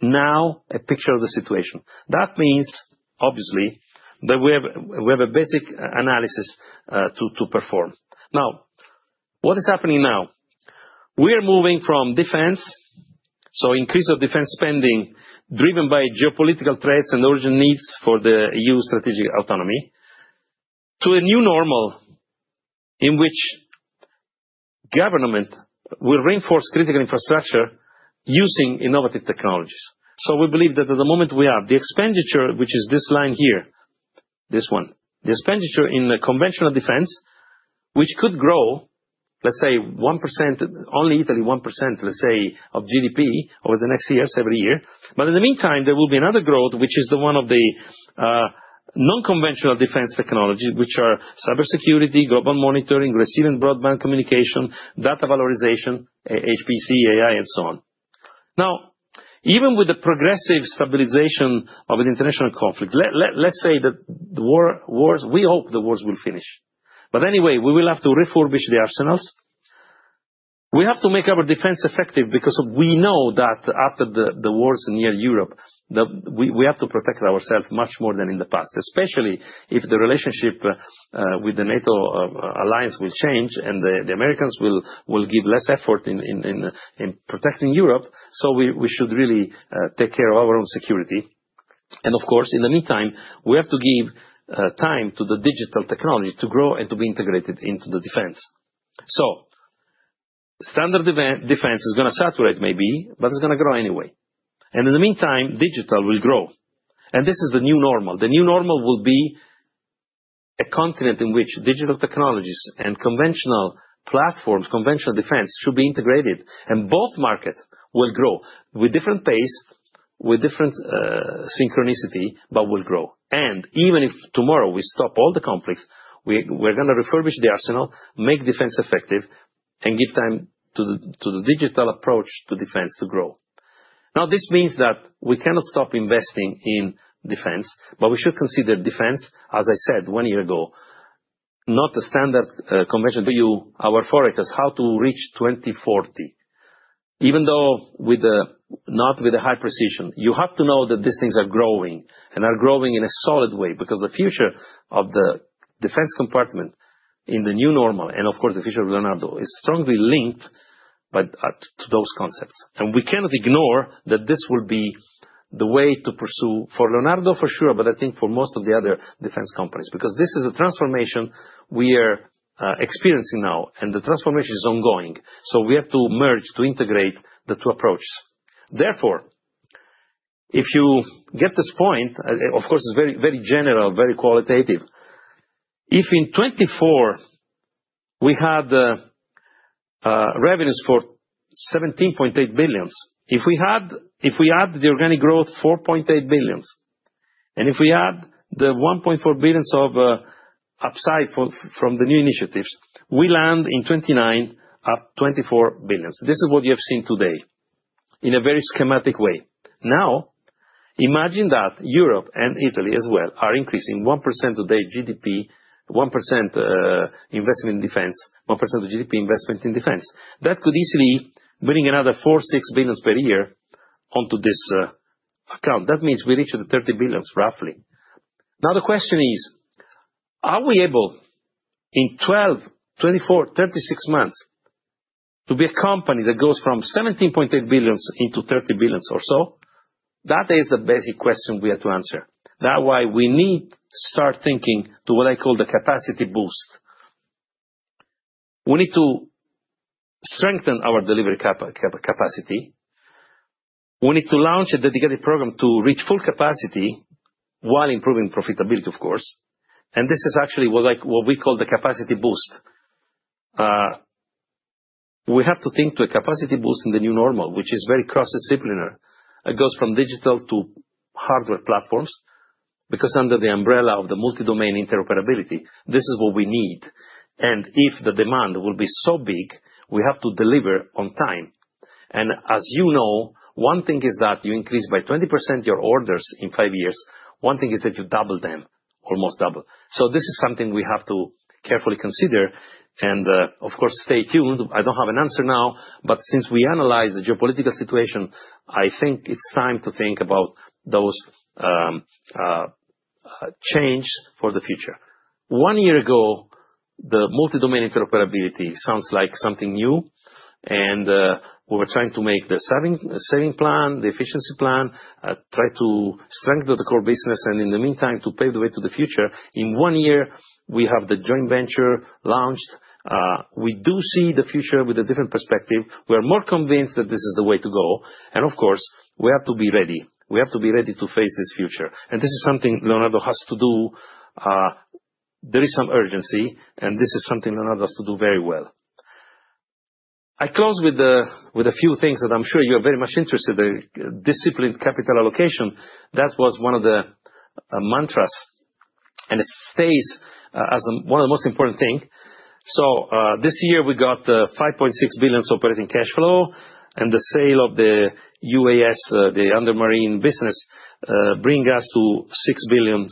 now a picture of the situation. That means, obviously, that we have a basic analysis to perform. Now, what is happening now? We are moving from defense, so increase of defense spending driven by geopolitical threats and urgent needs for the EU strategic autonomy, to a new normal in which government will reinforce critical infrastructure using innovative technologies. We believe that at the moment we have the expenditure, which is this line here, this one, the expenditure in conventional defense, which could grow, let's say, 1%, only Italy, 1%, let's say, of GDP over the next years, every year. In the meantime, there will be another growth, which is the one of the non-conventional defense technologies, which are cybersecurity, global monitoring, receiving broadband communication, data valorization, HPC, AI, and so on. Now, even with the progressive stabilization of an international conflict, let's say that we hope the wars will finish. Anyway, we will have to refurbish the arsenals. We have to make our defense effective because we know that after the wars in Europe, we have to protect ourselves much more than in the past, especially if the relationship with the NATO alliance will change and the Americans will give less effort in protecting Europe. We should really take care of our own security. Of course, in the meantime, we have to give time to the digital technology to grow and to be integrated into the defense. Standard defense is going to saturate maybe, but it is going to grow anyway. In the meantime, digital will grow. This is the new normal. The new normal will be a continent in which digital technologies and conventional platforms, conventional defense, should be integrated. Both markets will grow with different pace, with different synchronicity, but will grow. Even if tomorrow we stop all the conflicts, we are going to refurbish the arsenal, make defense effective, and give time to the digital approach to defense to grow. This means that we cannot stop investing in defense, but we should consider defense, as I said one year ago, not a standard conventional. You, our forecast, how to reach 2040, even though not with a high precision. You have to know that these things are growing and are growing in a solid way because the future of the defense compartment in the new normal and, of course, the future of Leonardo is strongly linked to those concepts. We cannot ignore that this will be the way to pursue for Leonardo, for sure, but I think for most of the other defense companies because this is a transformation we are experiencing now. The transformation is ongoing. We have to merge, to integrate the two approaches. Therefore, if you get this point, of course, it's very general, very qualitative. If in 2024 we had revenues for 17.8 billion, if we add the organic growth 4.8 billion, and if we add the 1.4 billion of upside from the new initiatives, we land in 2029 at 24 billion. This is what you have seen today in a very schematic way. Now, imagine that Europe and Italy as well are increasing 1% today GDP, 1% investment in defense, 1% of GDP investment in defense. That could easily bring another 4 billion-6 billion per year onto this account. That means we reached 30 billion roughly. Now, the question is, are we able in 12, 24, 36 months to be a company that goes from 17.8 billion into 30 billion or so? That is the basic question we have to answer. That's why we need to start thinking to what I call the capacity boost. We need to strengthen our delivery capacity. We need to launch a dedicated program to reach full capacity while improving profitability, of course. This is actually what we call the capacity boost. We have to think to a capacity boost in the new normal, which is very cross-disciplinary. It goes from digital to hardware platforms because under the umbrella of the multi-domain interoperability, this is what we need. If the demand will be so big, we have to deliver on time. As you know, one thing is that you increase by 20% your orders in five years. One thing is that you double them, almost double. This is something we have to carefully consider. Of course, stay tuned. I do not have an answer now, but since we analyze the geopolitical situation, I think it is time to think about those changes for the future. One year ago, the multi-domain interoperability sounds like something new. We were trying to make the saving plan, the efficiency plan, try to strengthen the core business, and in the meantime, to pave the way to the future. In one year, we have the joint venture launched. We do see the future with a different perspective. We are more convinced that this is the way to go. Of course, we have to be ready. We have to be ready to face this future. This is something Leonardo has to do. There is some urgency, and this is something Leonardo has to do very well. I close with a few things that I'm sure you are very much interested in: disciplined capital allocation. That was one of the mantras and stays as one of the most important things. This year, we got 5.6 billion operating cash flow, and the sale of the UAS, the undermarine business, brings us to 6 billion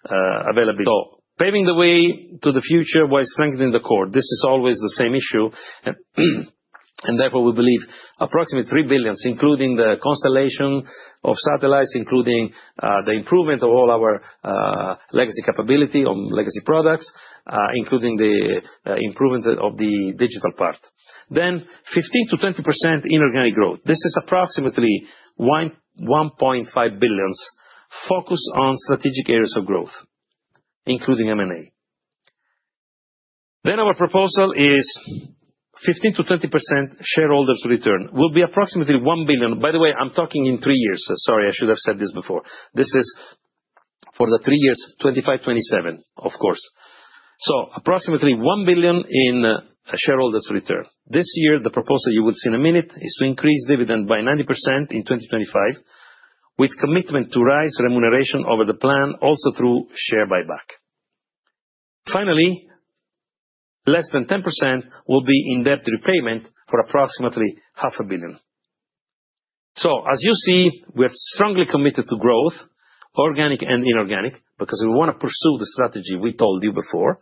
available. Paving the way to the future while strengthening the core, this is always the same issue. Therefore, we believe approximately 3 billion, including the constellation of satellites, including the improvement of all our legacy capability or legacy products, including the improvement of the digital part. Then, 15%-20% inorganic growth. This is approximately 1.5 billion focused on strategic areas of growth, including M&A. Our proposal is 15%-20% shareholders' return, which will be approximately 1 billion. By the way, I'm talking in three years. Sorry, I should have said this before. This is for the three years, 2025-2027, of course. So approximately 1 billion in shareholders' return. This year, the proposal you will see in a minute is to increase dividend by 90% in 2025 with commitment to rise remuneration over the plan, also through share buyback. Finally, less than 10% will be in debt repayment for approximately 0.5 billion. As you see, we are strongly committed to growth, organic and inorganic, because we want to pursue the strategy we told you before.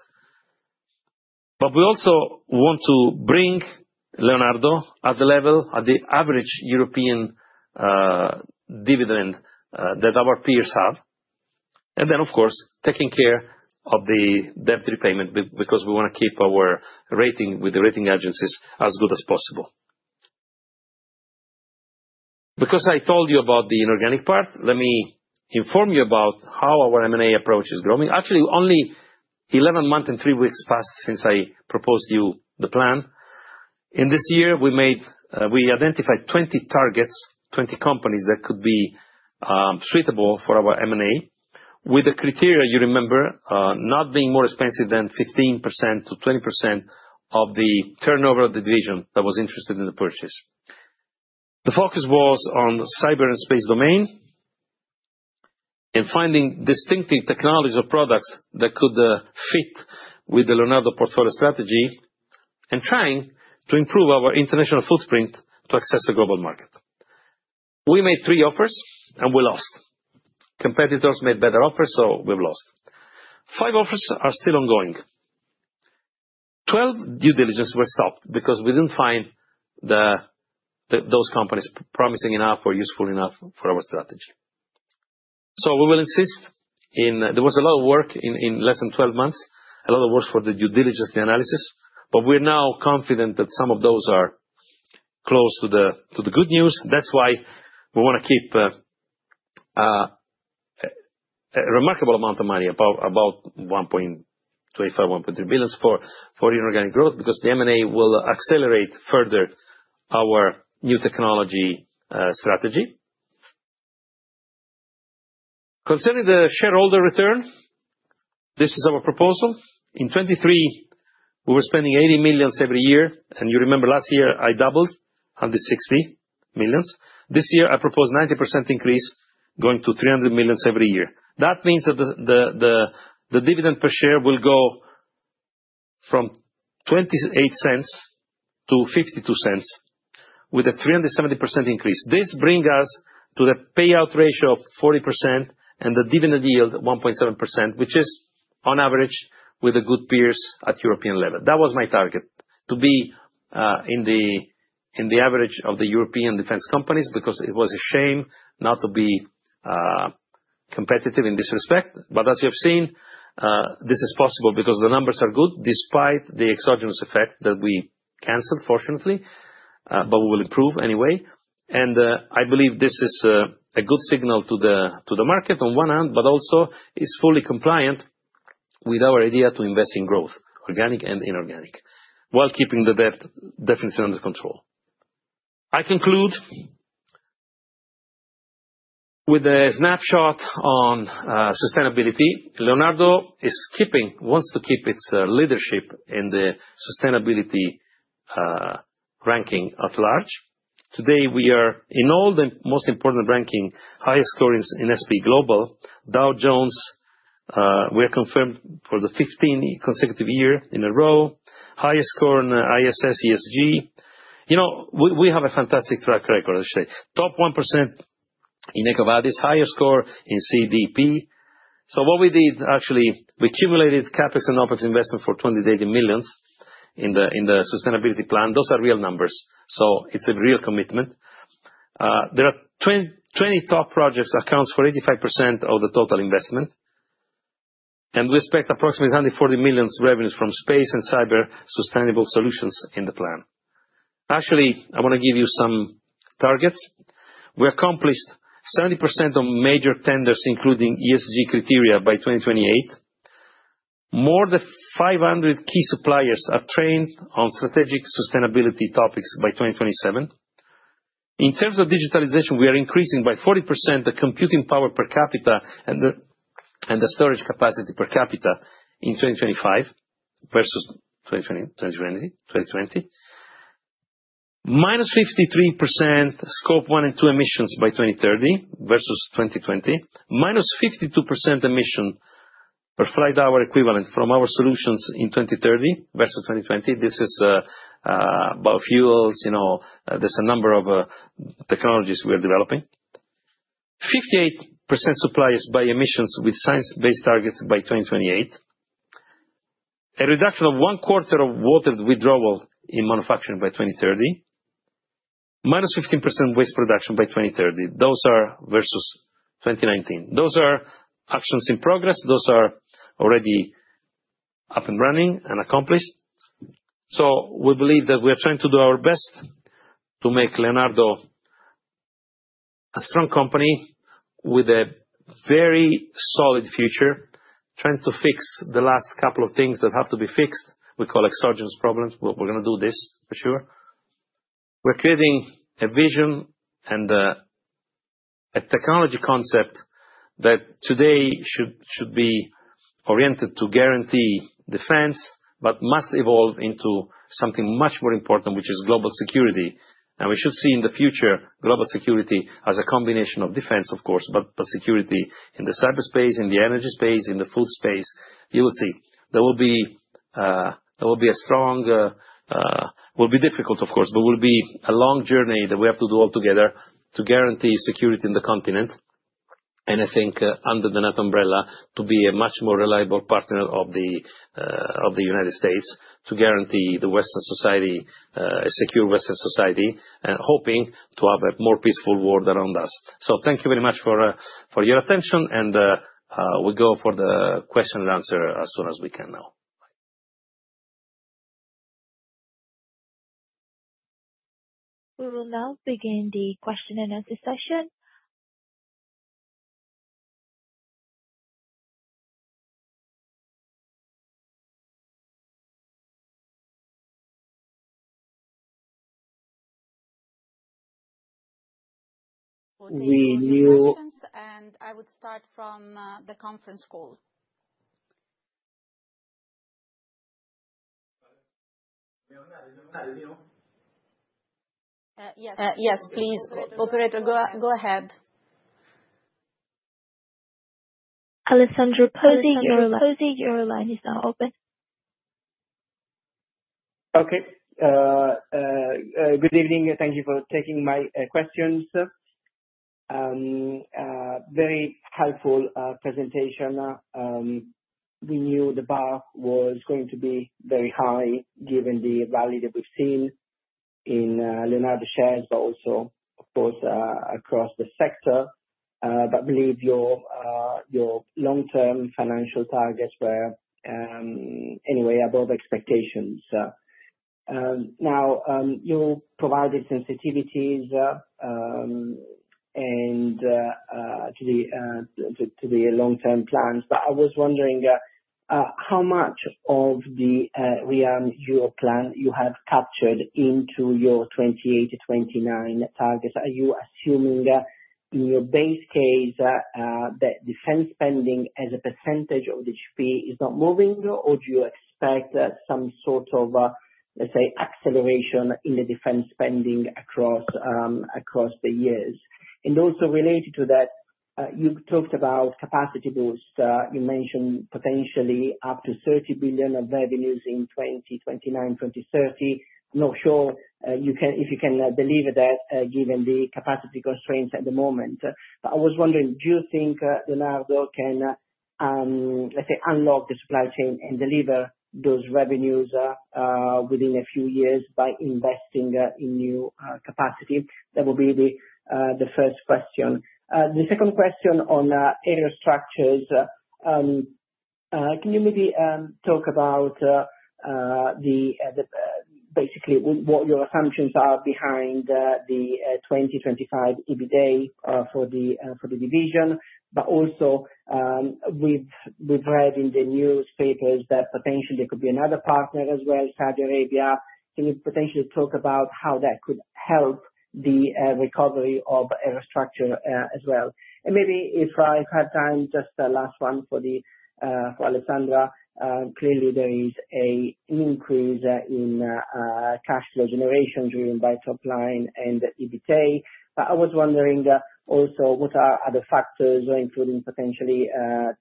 We also want to bring Leonardo at the level of the average European dividend that our peers have. Of course, taking care of the debt repayment because we want to keep our rating with the rating agencies as good as possible. Because I told you about the inorganic part, let me inform you about how our M&A approach is growing. Actually, only 11 months and three weeks passed since I proposed to you the plan. In this year, we identified 20 targets, 20 companies that could be suitable for our M&A with the criteria, you remember, not being more expensive than 15%-20% of the turnover of the division that was interested in the purchase. The focus was on cyber and space domain and finding distinctive technologies or products that could fit with the Leonardo portfolio strategy and trying to improve our international footprint to access the global market. We made three offers, and we lost. Competitors made better offers, so we've lost. Five offers are still ongoing. 12 due diligence were stopped because we didn't find those companies promising enough or useful enough for our strategy. We will insist in there was a lot of work in less than 12 months, a lot of work for the due diligence, the analysis, but we're now confident that some of those are close to the good news. That's why we want to keep a remarkable amount of money, about 1.25 billion-1.3 billion for inorganic growth because the M&A will accelerate further our new technology strategy. Concerning the shareholder return, this is our proposal. In 2023, we were spending 80 million every year. You remember last year, I doubled on the 60 million. This year, I proposed a 90% increase going to 300 million every year. That means that the dividend per share will go from 0.28 to 0.52 with a 370% increase. This brings us to the payout ratio of 40% and the dividend yield of 1.7%, which is on average with the good peers at European level. That was my target, to be in the average of the European defense companies because it was a shame not to be competitive in this respect. As you have seen, this is possible because the numbers are good despite the exogenous effect that we canceled, fortunately, but we will improve anyway. I believe this is a good signal to the market on one hand, but also is fully compliant with our idea to invest in growth, organic and inorganic, while keeping the debt definitely under control. I conclude with a snapshot on sustainability. Leonardo is keeping, wants to keep its leadership in the sustainability ranking at large. Today, we are in all the most important rankings, highest score in S&P Global, Dow Jones. We are confirmed for the 15th consecutive year in a row, highest score in ISS, ESG. You know, we have a fantastic track record, I should say. Top 1% in Ecovadis, higher score in CDP. What we did, actually, we cumulated CapEx and OpEx investment for 28 million in the sustainability plan. Those are real numbers. It is a real commitment. There are 20 top projects that account for 85% of the total investment. We expect approximately 140 million revenues from space and cyber sustainable solutions in the plan. Actually, I want to give you some targets. We accomplished 70% of major tenders, including ESG criteria by 2028. More than 500 key suppliers are trained on strategic sustainability topics by 2027. In terms of digitalization, we are increasing by 40% the computing power per capita and the storage capacity per capita in 2025 versus 2020. -53% scope one and two emissions by 2030 versus 2020. -52% emission per flight hour equivalent from our solutions in 2030 versus 2020. This is biofuels. There's a number of technologies we are developing. 58% suppliers by emissions with science-based targets by 2028. A reduction of one quarter of water withdrawal in manufacturing by 2030. -15% waste production by 2030. Those are versus 2019. Those are actions in progress. Those are already up and running and accomplished. We believe that we are trying to do our best to make Leonardo a strong company with a very solid future, trying to fix the last couple of things that have to be fixed. We call exogenous problems. We are going to do this for sure. We're creating a vision and a technology concept that today should be oriented to guarantee defense, but must evolve into something much more important, which is global security. We should see in the future global security as a combination of defense, of course, but security in the cyberspace, in the energy space, in the food space. You will see there will be a strong, will be difficult, of course, but will be a long journey that we have to do all together to guarantee security in the continent. I think under the NATO umbrella, to be a much more reliable partner of the United States to guarantee the Western society, a secure Western society, and hoping to have a more peaceful world around us. Thank you very much for your attention. We go for the question and answer as soon as we can now. We will now begin the question and answer session. We knew. I would start from the conference call. Yes. Yes, please, Operator. Go ahead. Alessandro Pozzi, your line is now open. Okay. Good evening. Thank you for taking my questions. Very helpful presentation. We knew the bar was going to be very high given the value that we've seen in Leonardo shares, but also, of course, across the sector. I believe your long-term financial targets were anyway above expectations. Now, you provided sensitivities and to the long-term plans. I was wondering how much of the ReArm EU you have captured into your 2028 to 2029 targets? Are you assuming in your base case that defense spending as a percentage of the GDP is not moving, or do you expect some sort of, let's say, acceleration in the defense spending across the years? Also related to that, you talked about capacity boost. You mentioned potentially up to 30 billion of revenues in 2029, 2030. Not sure if you can deliver that given the capacity constraints at the moment. I was wondering, do you think Leonardo can, let's say, unlock the supply chain and deliver those revenues within a few years by investing in new capacity? That will be the first question. The second question on area structures, can you maybe talk about basically what your assumptions are behind the 2025 EBITDA for the division? Also, we've read in the newspapers that potentially there could be another partner as well, Saudi Arabia. Can you potentially talk about how that could help the recovery of area structures as well? Maybe if I have time, just the last one for Alessandra. Clearly, there is an increase in cash flow generation driven by top line and EBITDA. I was wondering also what are the factors including potentially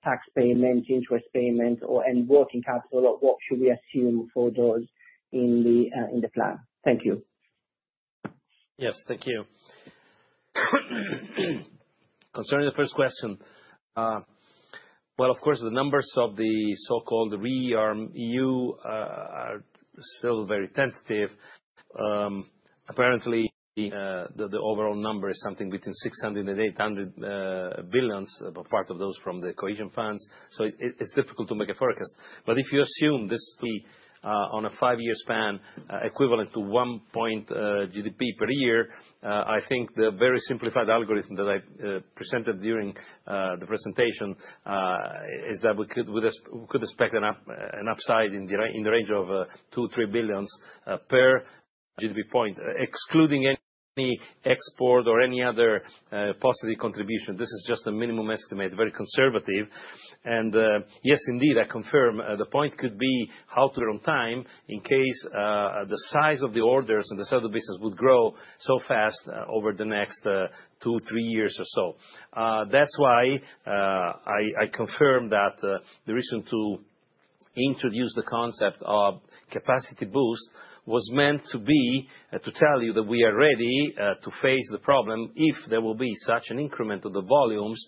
tax payment, interest payment, and working capital, or what should we assume for those in the plan? Thank you. Yes, thank you. Concerning the first question, of course, the numbers of the so-called ReArm EU are still very tentative. Apparently, the overall number is something between 600 billion-800 billion, but part of those from the cohesion funds. It is difficult to make a forecast. If you assume this to be on a five-year span equivalent to 1% GDP per year, I think the very simplified algorithm that I presented during the presentation is that we could expect an upside in the range of 2 billion-3 billion per GDP point, excluding any export or any other positive contribution. This is just a minimum estimate, very conservative. Yes, indeed, I confirm the point could be how to on time in case the size of the orders and the sale of the business would grow so fast over the next two, three years or so. That is why I confirm that the reason to introduce the concept of capacity boost was meant to be to tell you that we are ready to face the problem if there will be such an increment of the volumes,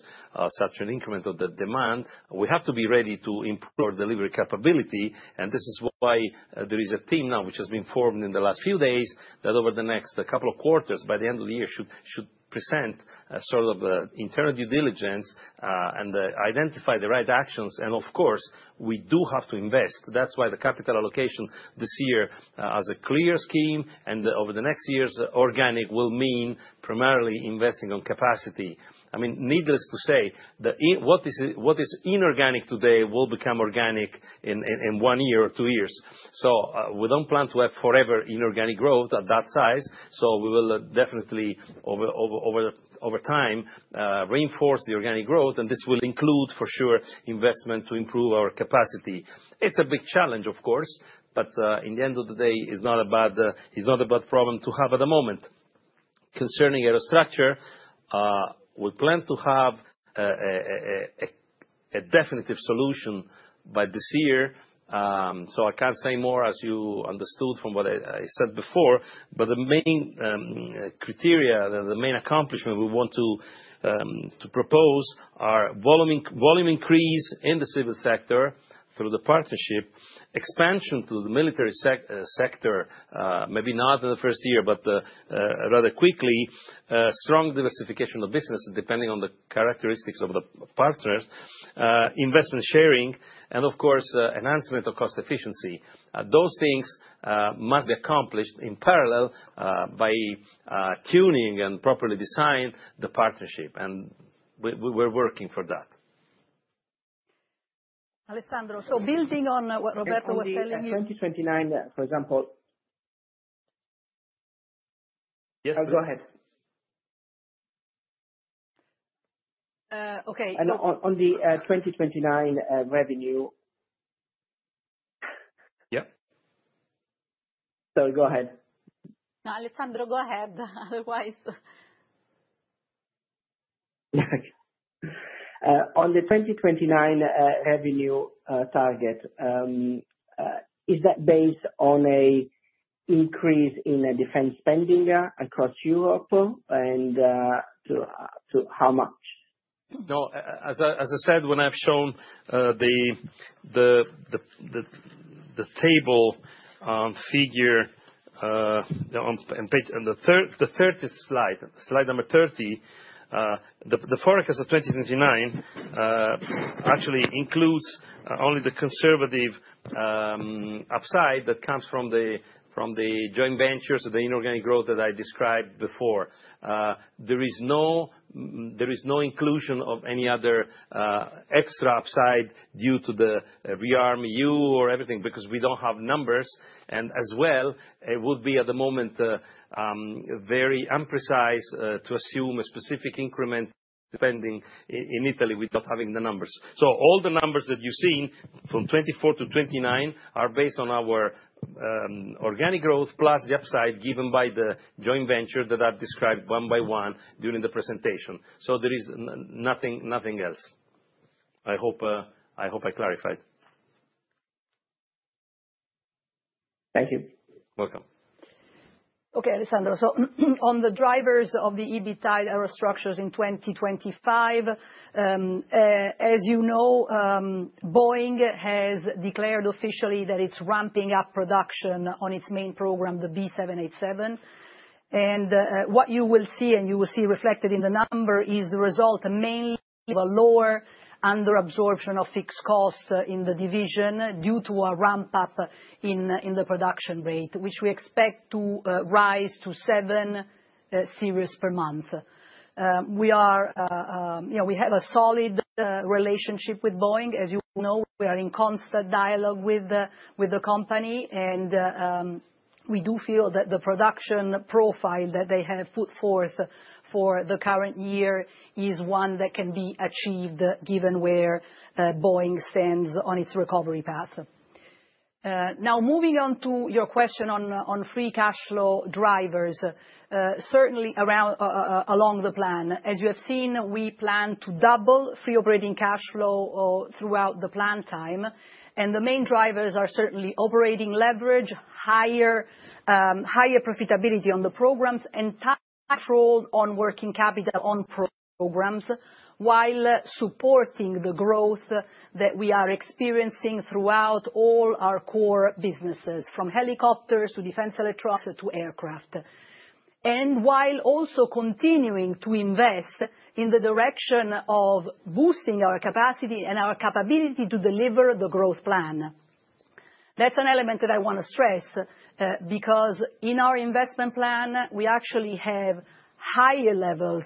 such an increment of the demand. We have to be ready to improve our delivery capability. This is why there is a team now which has been formed in the last few days that over the next couple of quarters, by the end of the year, should present a sort of internal due diligence and identify the right actions. Of course, we do have to invest. That's why the capital allocation this year has a clear scheme, and over the next years organic will mean primarily investing on capacity. I mean, needless to say, what is inorganic today will become organic in one year or two years. We don't plan to have forever inorganic growth at that size. We will definitely over time reinforce the organic growth. This will include for sure investment to improve our capacity. It's a big challenge, of course, but in the end of the day, it's not a bad problem to have at the moment. Concerning air structure, we plan to have a definitive solution by this year. I can't say more as you understood from what I said before. The main criteria, the main accomplishment we want to propose are volume increase in the civil sector through the partnership, expansion to the military sector, maybe not in the first year, but rather quickly, strong diversification of business depending on the characteristics of the partners, investment sharing, and of course, enhancement of cost efficiency. Those things must be accomplished in parallel by tuning and properly designing the partnership. We are working for that. Alessandro, building on what Roberto was telling you. 2029, for example. Yes, please. Go ahead. Okay. On the 2029 revenue. Yeah. Sorry, go ahead. No, Alessandro, go ahead. Otherwise. On the 2029 revenue target, is that based on an increase in defense spending across Europe and to how much? No, as I said, when I've shown the table figure on the third slide, slide number 30, the forecast of 2029 actually includes only the conservative upside that comes from the joint ventures, the inorganic growth that I described before. There is no inclusion of any other extra upside due to the ReArm EU or everything because we don't have numbers. As well, it would be at the moment very unprecise to assume a specific increment spending in Italy without having the numbers. All the numbers that you've seen from 2024 to 2029 are based on our organic growth plus the upside given by the joint venture that I've described one by one during the presentation. There is nothing else. I hope I clarified. Thank you. Welcome. Okay, Alessandro. On the drivers of the EBITDA structures in 2025, as you know, Boeing has declared officially that it's ramping up production on its main program, the B787. What you will see, and you will see reflected in the number, is the result mainly of a lower underabsorption of fixed costs in the division due to a ramp-up in the production rate, which we expect to rise to seven serials per month. We have a solid relationship with Boeing. As you know, we are in constant dialogue with the company. We do feel that the production profile that they have put forth for the current year is one that can be achieved given where Boeing stands on its recovery path. Now, moving on to your question on free cash flow drivers, certainly along the plan. As you have seen, we plan to double free operating cash flow throughout the plan time. The main drivers are certainly operating leverage, higher profitability on the programs, and control on working capital on programs, while supporting the growth that we are experiencing throughout all our core businesses, from helicopters to defense electronics to aircraft. While also continuing to invest in the direction of boosting our capacity and our capability to deliver the growth plan. That is an element that I want to stress because in our investment plan, we actually have higher levels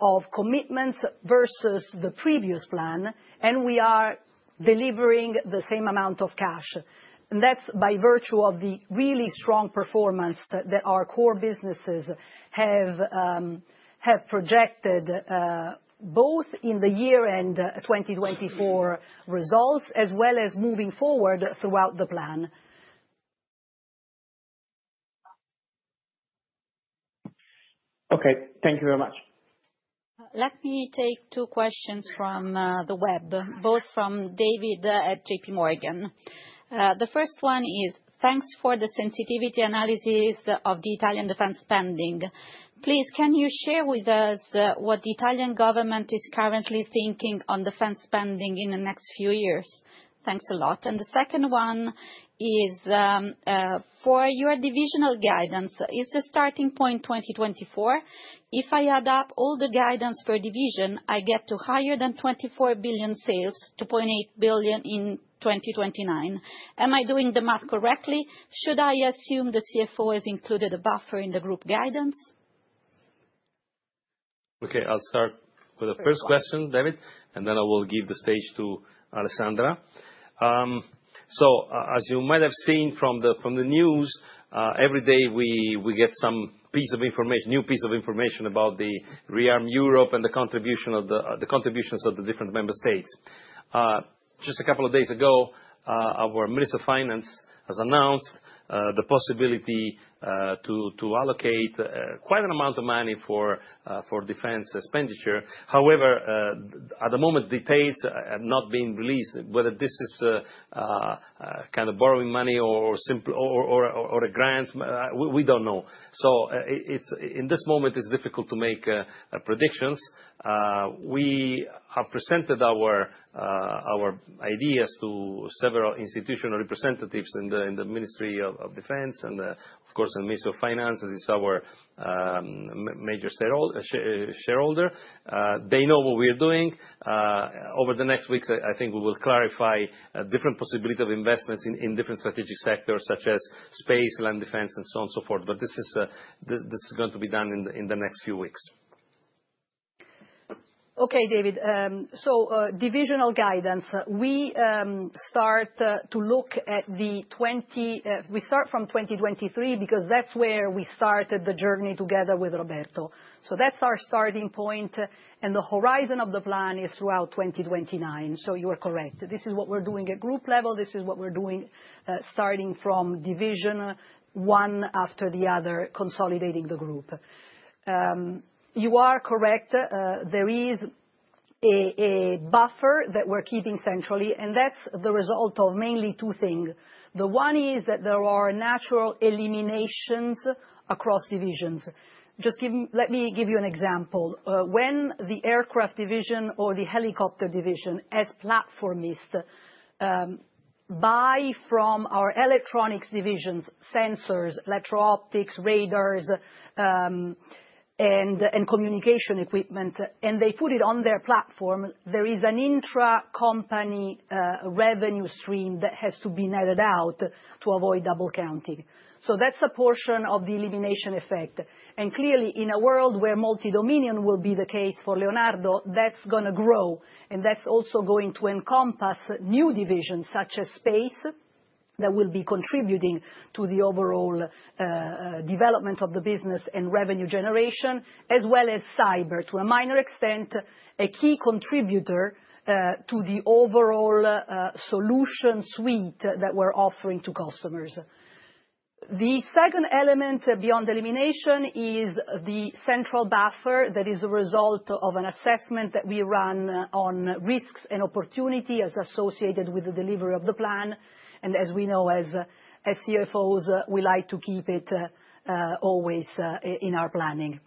of commitments versus the previous plan, and we are delivering the same amount of cash. That is by virtue of the really strong performance that our core businesses have projected both in the year-end 2024 results as well as moving forward throughout the plan. Okay, thank you very much. Let me take two questions from the web, both from David at JP Morgan. The first one is, thanks for the sensitivity analysis of the Italian defense spending. Please, can you share with us what the Italian government is currently thinking on defense spending in the next few years? Thanks a lot. The second one is, for your divisional guidance, is the starting point 2024? If I add up all the guidance per division, I get to higher than 24 billion sales, 2.8 billion in 2029. Am I doing the math correctly? Should I assume the CFO has included a buffer in the group guidance? Okay, I'll start with the first question, David, and then I will give the stage to Alessandra. As you might have seen from the news, every day we get some piece of information, new piece of information about the ReArm EU and the contributions of the different member states. Just a couple of days ago, our Minister of Finance has announced the possibility to allocate quite an amount of money for defense expenditure. However, at the moment, details have not been released. Whether this is kind of borrowing money or a grant, we do not know. In this moment, it is difficult to make predictions. We have presented our ideas to several institutional representatives in the Ministry of Defense and, of course, the Minister of Finance, as he is our major shareholder. They know what we are doing. Over the next weeks, I think we will clarify different possibilities of investments in different strategic sectors such as space, land defense, and so on and so forth. This is going to be done in the next few weeks. Okay, David. Divisional guidance, we start to look at the 20, we start from 2023 because that's where we started the journey together with Roberto. That's our starting point. The horizon of the plan is throughout 2029. You are correct. This is what we're doing at group level. This is what we're doing starting from division one after the other, consolidating the group. You are correct. There is a buffer that we're keeping centrally, and that's the result of mainly two things. One is that there are natural eliminations across divisions. Let me give you an example. When the aircraft division or the helicopter division, as platformist, buys from our electronics divisions, sensors, electro-optics, radars, and communication equipment, and they put it on their platform, there is an intra-company revenue stream that has to be netted out to avoid double counting. That is a portion of the elimination effect. Clearly, in a world where multi-domain will be the case for Leonardo, that is going to grow. That is also going to encompass new divisions such as space that will be contributing to the overall development of the business and revenue generation, as well as cyber, to a minor extent, a key contributor to the overall solution suite that we are offering to customers. The second element beyond elimination is the central buffer that is a result of an assessment that we run on risks and opportunity as associated with the delivery of the plan. As we know, as CFOs, we like to keep it always in our planning.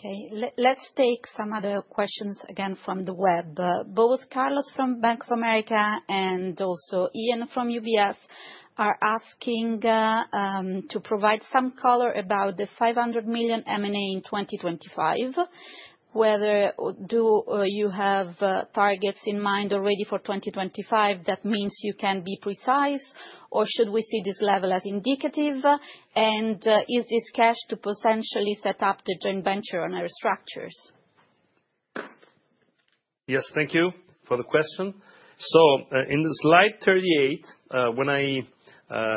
Okay, let's take some other questions again from the web. Both Carlos from Bank of America and also Ian from UBS are asking to provide some color about the 500 million M&A in 2025. Whether you have targets in mind already for 2025, that means you can be precise, or should we see this level as indicative? Is this cash to potentially set up the joint venture on our structures? Yes, thank you for the question. In slide 38, when I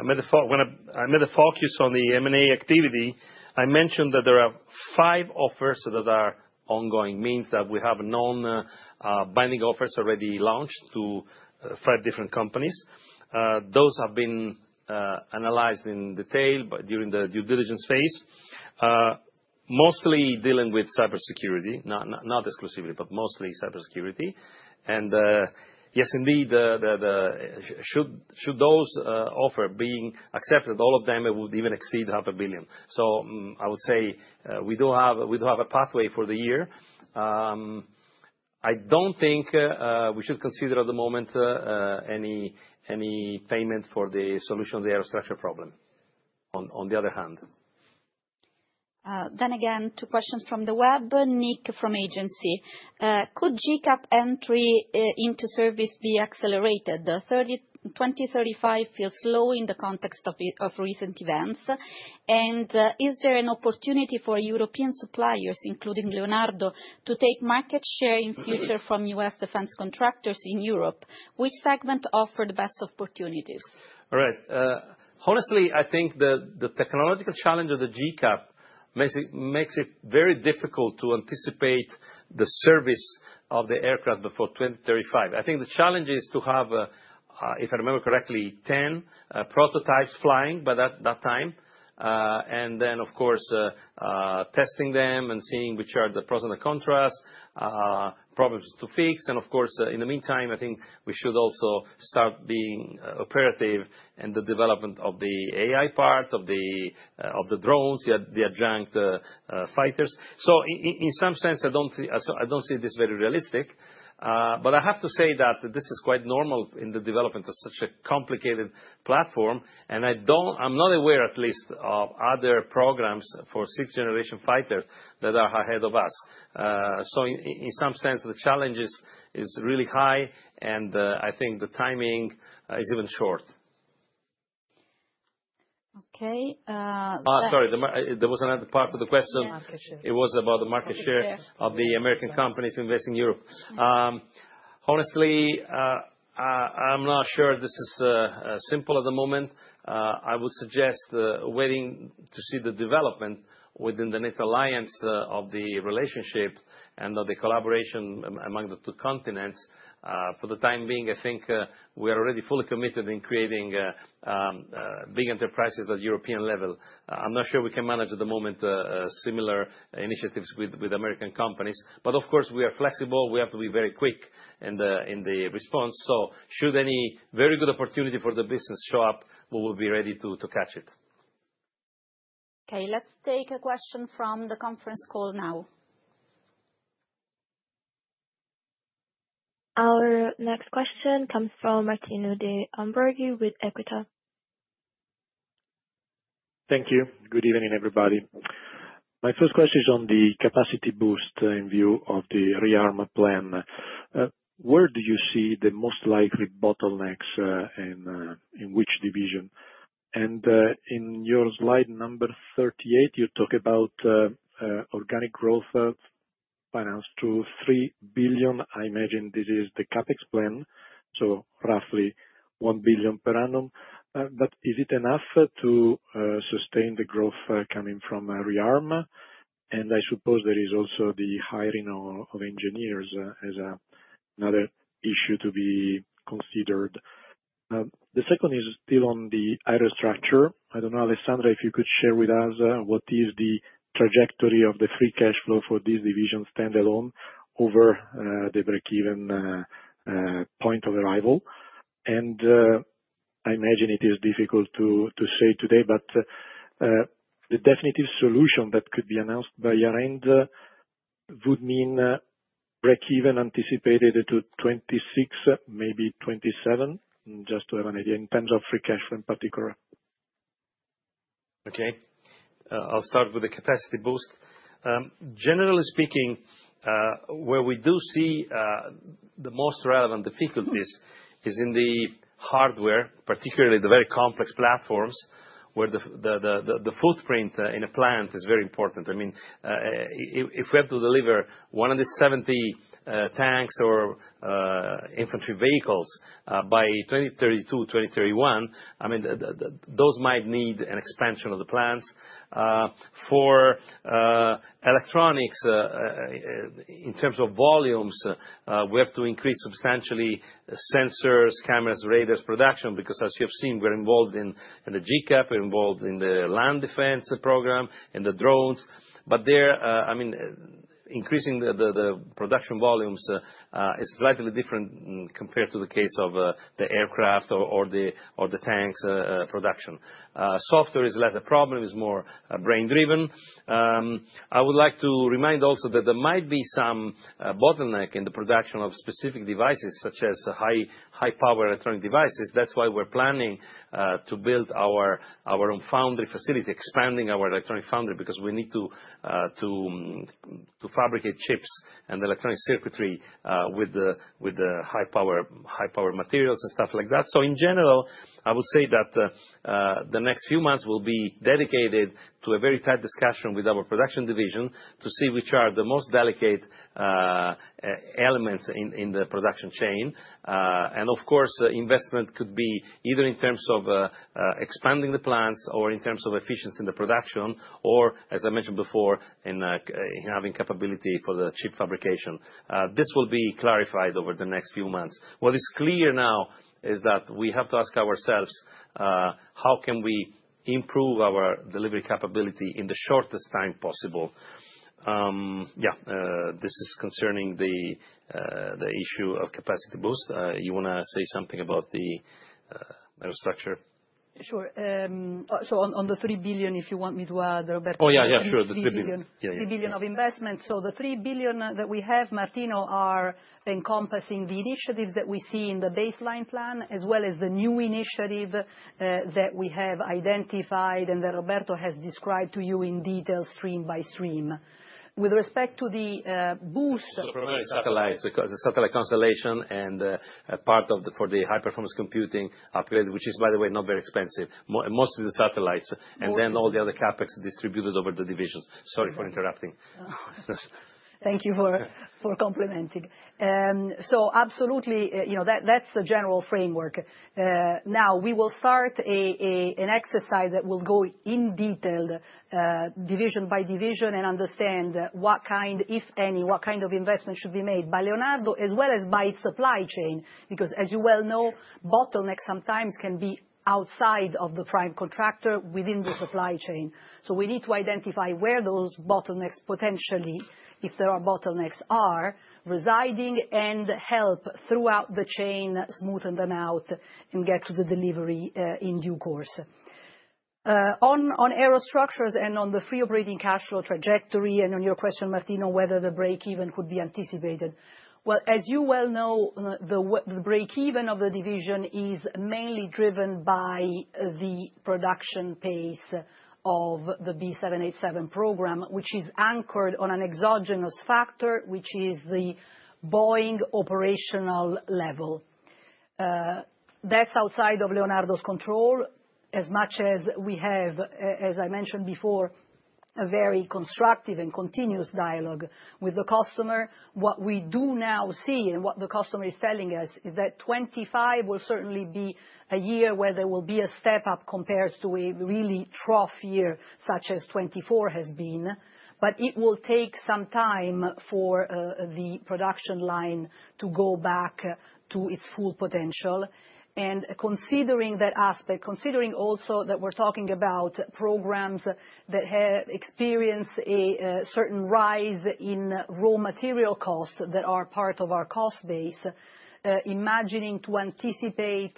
made the focus on the M&A activity, I mentioned that there are five offers that are ongoing, meaning that we have non-binding offers already launched to five different companies. Those have been analyzed in detail during the due diligence phase, mostly dealing with cybersecurity, not exclusively, but mostly cybersecurity. Yes, indeed, should those offers be accepted, all of them would even exceed 0.5 billion. I would say we do have a pathway for the year. I don't think we should consider at the moment any payment for the solution of the air structure problem. On the other hand. Two questions from the web. Nick from Agency. Could GCAP entry into service be accelerated? 2035 feels slow in the context of recent events. Is there an opportunity for European suppliers, including Leonardo, to take market share in future from U.S. defense contractors in Europe? Which segment offered best opportunities? All right. Honestly, I think the technological challenge of the GCAP makes it very difficult to anticipate the service of the aircraft before 2035. I think the challenge is to have, if I remember correctly, 10 prototypes flying by that time. Of course, testing them and seeing which are the pros and the contrasts, problems to fix. Of course, in the meantime, I think we should also start being operative in the development of the AI part of the drones, the adjunct fighters. In some sense, I do not see this very realistic. I have to say that this is quite normal in the development of such a complicated platform. I am not aware, at least, of other programs for sixth-generation fighters that are ahead of us. In some sense, the challenge is really high, and I think the timing is even short. Okay. Sorry, there was another part of the question. It was about the market share of the American companies investing in Europe. Honestly, I am not sure this is simple at the moment. I would suggest waiting to see the development within the NATO alliance of the relationship and of the collaboration among the two continents. For the time being, I think we are already fully committed in creating big enterprises at the European level. I'm not sure we can manage at the moment similar initiatives with American companies. Of course, we are flexible. We have to be very quick in the response. Should any very good opportunity for the business show up, we will be ready to catch it. Okay, let's take a question from the conference call now. Our next question comes from Martino De Ambroggi with Equita. Thank you. Good evening, everybody. My first question is on the capacity boost in view of the ReArm plan. Where do you see the most likely bottlenecks in which division? In your slide number 38, you talk about organic growth financed to 3 billion. I imagine this is the CapEx plan, so roughly 1 billion per annum. Is it enough to sustain the growth coming from ReArm? I suppose there is also the hiring of engineers as another issue to be considered. The second is still on the IRA structure. I do not know, Alessandra, if you could share with us what is the trajectory of the free cash flow for this division standalone over the break-even point of arrival. I imagine it is difficult to say today, but the definitive solution that could be announced by year-end would mean break-even anticipated to 2026, maybe 2027, just to have an idea in terms of free cash flow in particular. Okay. I will start with the capacity boost. Generally speaking, where we do see the most relevant difficulties is in the hardware, particularly the very complex platforms where the footprint in a plant is very important. I mean, if we have to deliver 170 tanks or infantry vehicles by 2032, 2031, I mean, those might need an expansion of the plants. For electronics, in terms of volumes, we have to increase substantially sensors, cameras, radars production because, as you have seen, we're involved in the GCAP, we're involved in the land defense program, and the drones. There, I mean, increasing the production volumes is slightly different compared to the case of the aircraft or the tanks production. Software is less a problem, is more brain-driven. I would like to remind also that there might be some bottleneck in the production of specific devices such as high-power electronic devices. That's why we're planning to build our own foundry facility, expanding our electronic foundry because we need to fabricate chips and electronic circuitry with high-power materials and stuff like that. In general, I would say that the next few months will be dedicated to a very tight discussion with our production division to see which are the most delicate elements in the production chain. Of course, investment could be either in terms of expanding the plants or in terms of efficiency in the production or, as I mentioned before, in having capability for the chip fabrication. This will be clarified over the next few months. What is clear now is that we have to ask ourselves, how can we improve our delivery capability in the shortest time possible? Yeah, this is concerning the issue of capacity boost. You want to say something about the structure? Sure. On the 3 billion, if you want me to add, Roberto. Oh, yeah, yeah, sure. The 3 billion. 3 billion of investment. The 3 billion that we have, Martino, are encompassing the initiatives that we see in the baseline plan as well as the new initiative that we have identified and that Roberto has described to you in detail stream by stream. With respect to the boost. Satellites, the satellite constellation and part of the high-performance computing upgrade, which is, by the way, not very expensive, mostly the satellites, and then all the other CapEx distributed over the divisions. Sorry for interrupting. Thank you for complimenting. Absolutely, that's the general framework. Now, we will start an exercise that will go in detail, division by division, and understand what kind, if any, what kind of investment should be made by Leonardo as well as by its supply chain. Because as you well know, bottlenecks sometimes can be outside of the prime contractor within the supply chain. We need to identify where those bottlenecks potentially, if there are bottlenecks, are residing and help throughout the chain smoothen them out and get to the delivery in due course. On Aerostructures and on the free operating cash flow trajectory and on your question, Martino, whether the break-even could be anticipated. As you well know, the break-even of the division is mainly driven by the production pace of the B787 program, which is anchored on an exogenous factor, which is the Boeing operational level. That is outside of Leonardo's control. As much as we have, as I mentioned before, a very constructive and continuous dialogue with the customer, what we do now see and what the customer is telling us is that 2025 will certainly be a year where there will be a step up compared to a really trough year such as 2024 has been. It will take some time for the production line to go back to its full potential. Considering that aspect, considering also that we're talking about programs that have experienced a certain rise in raw material costs that are part of our cost base, imagining to anticipate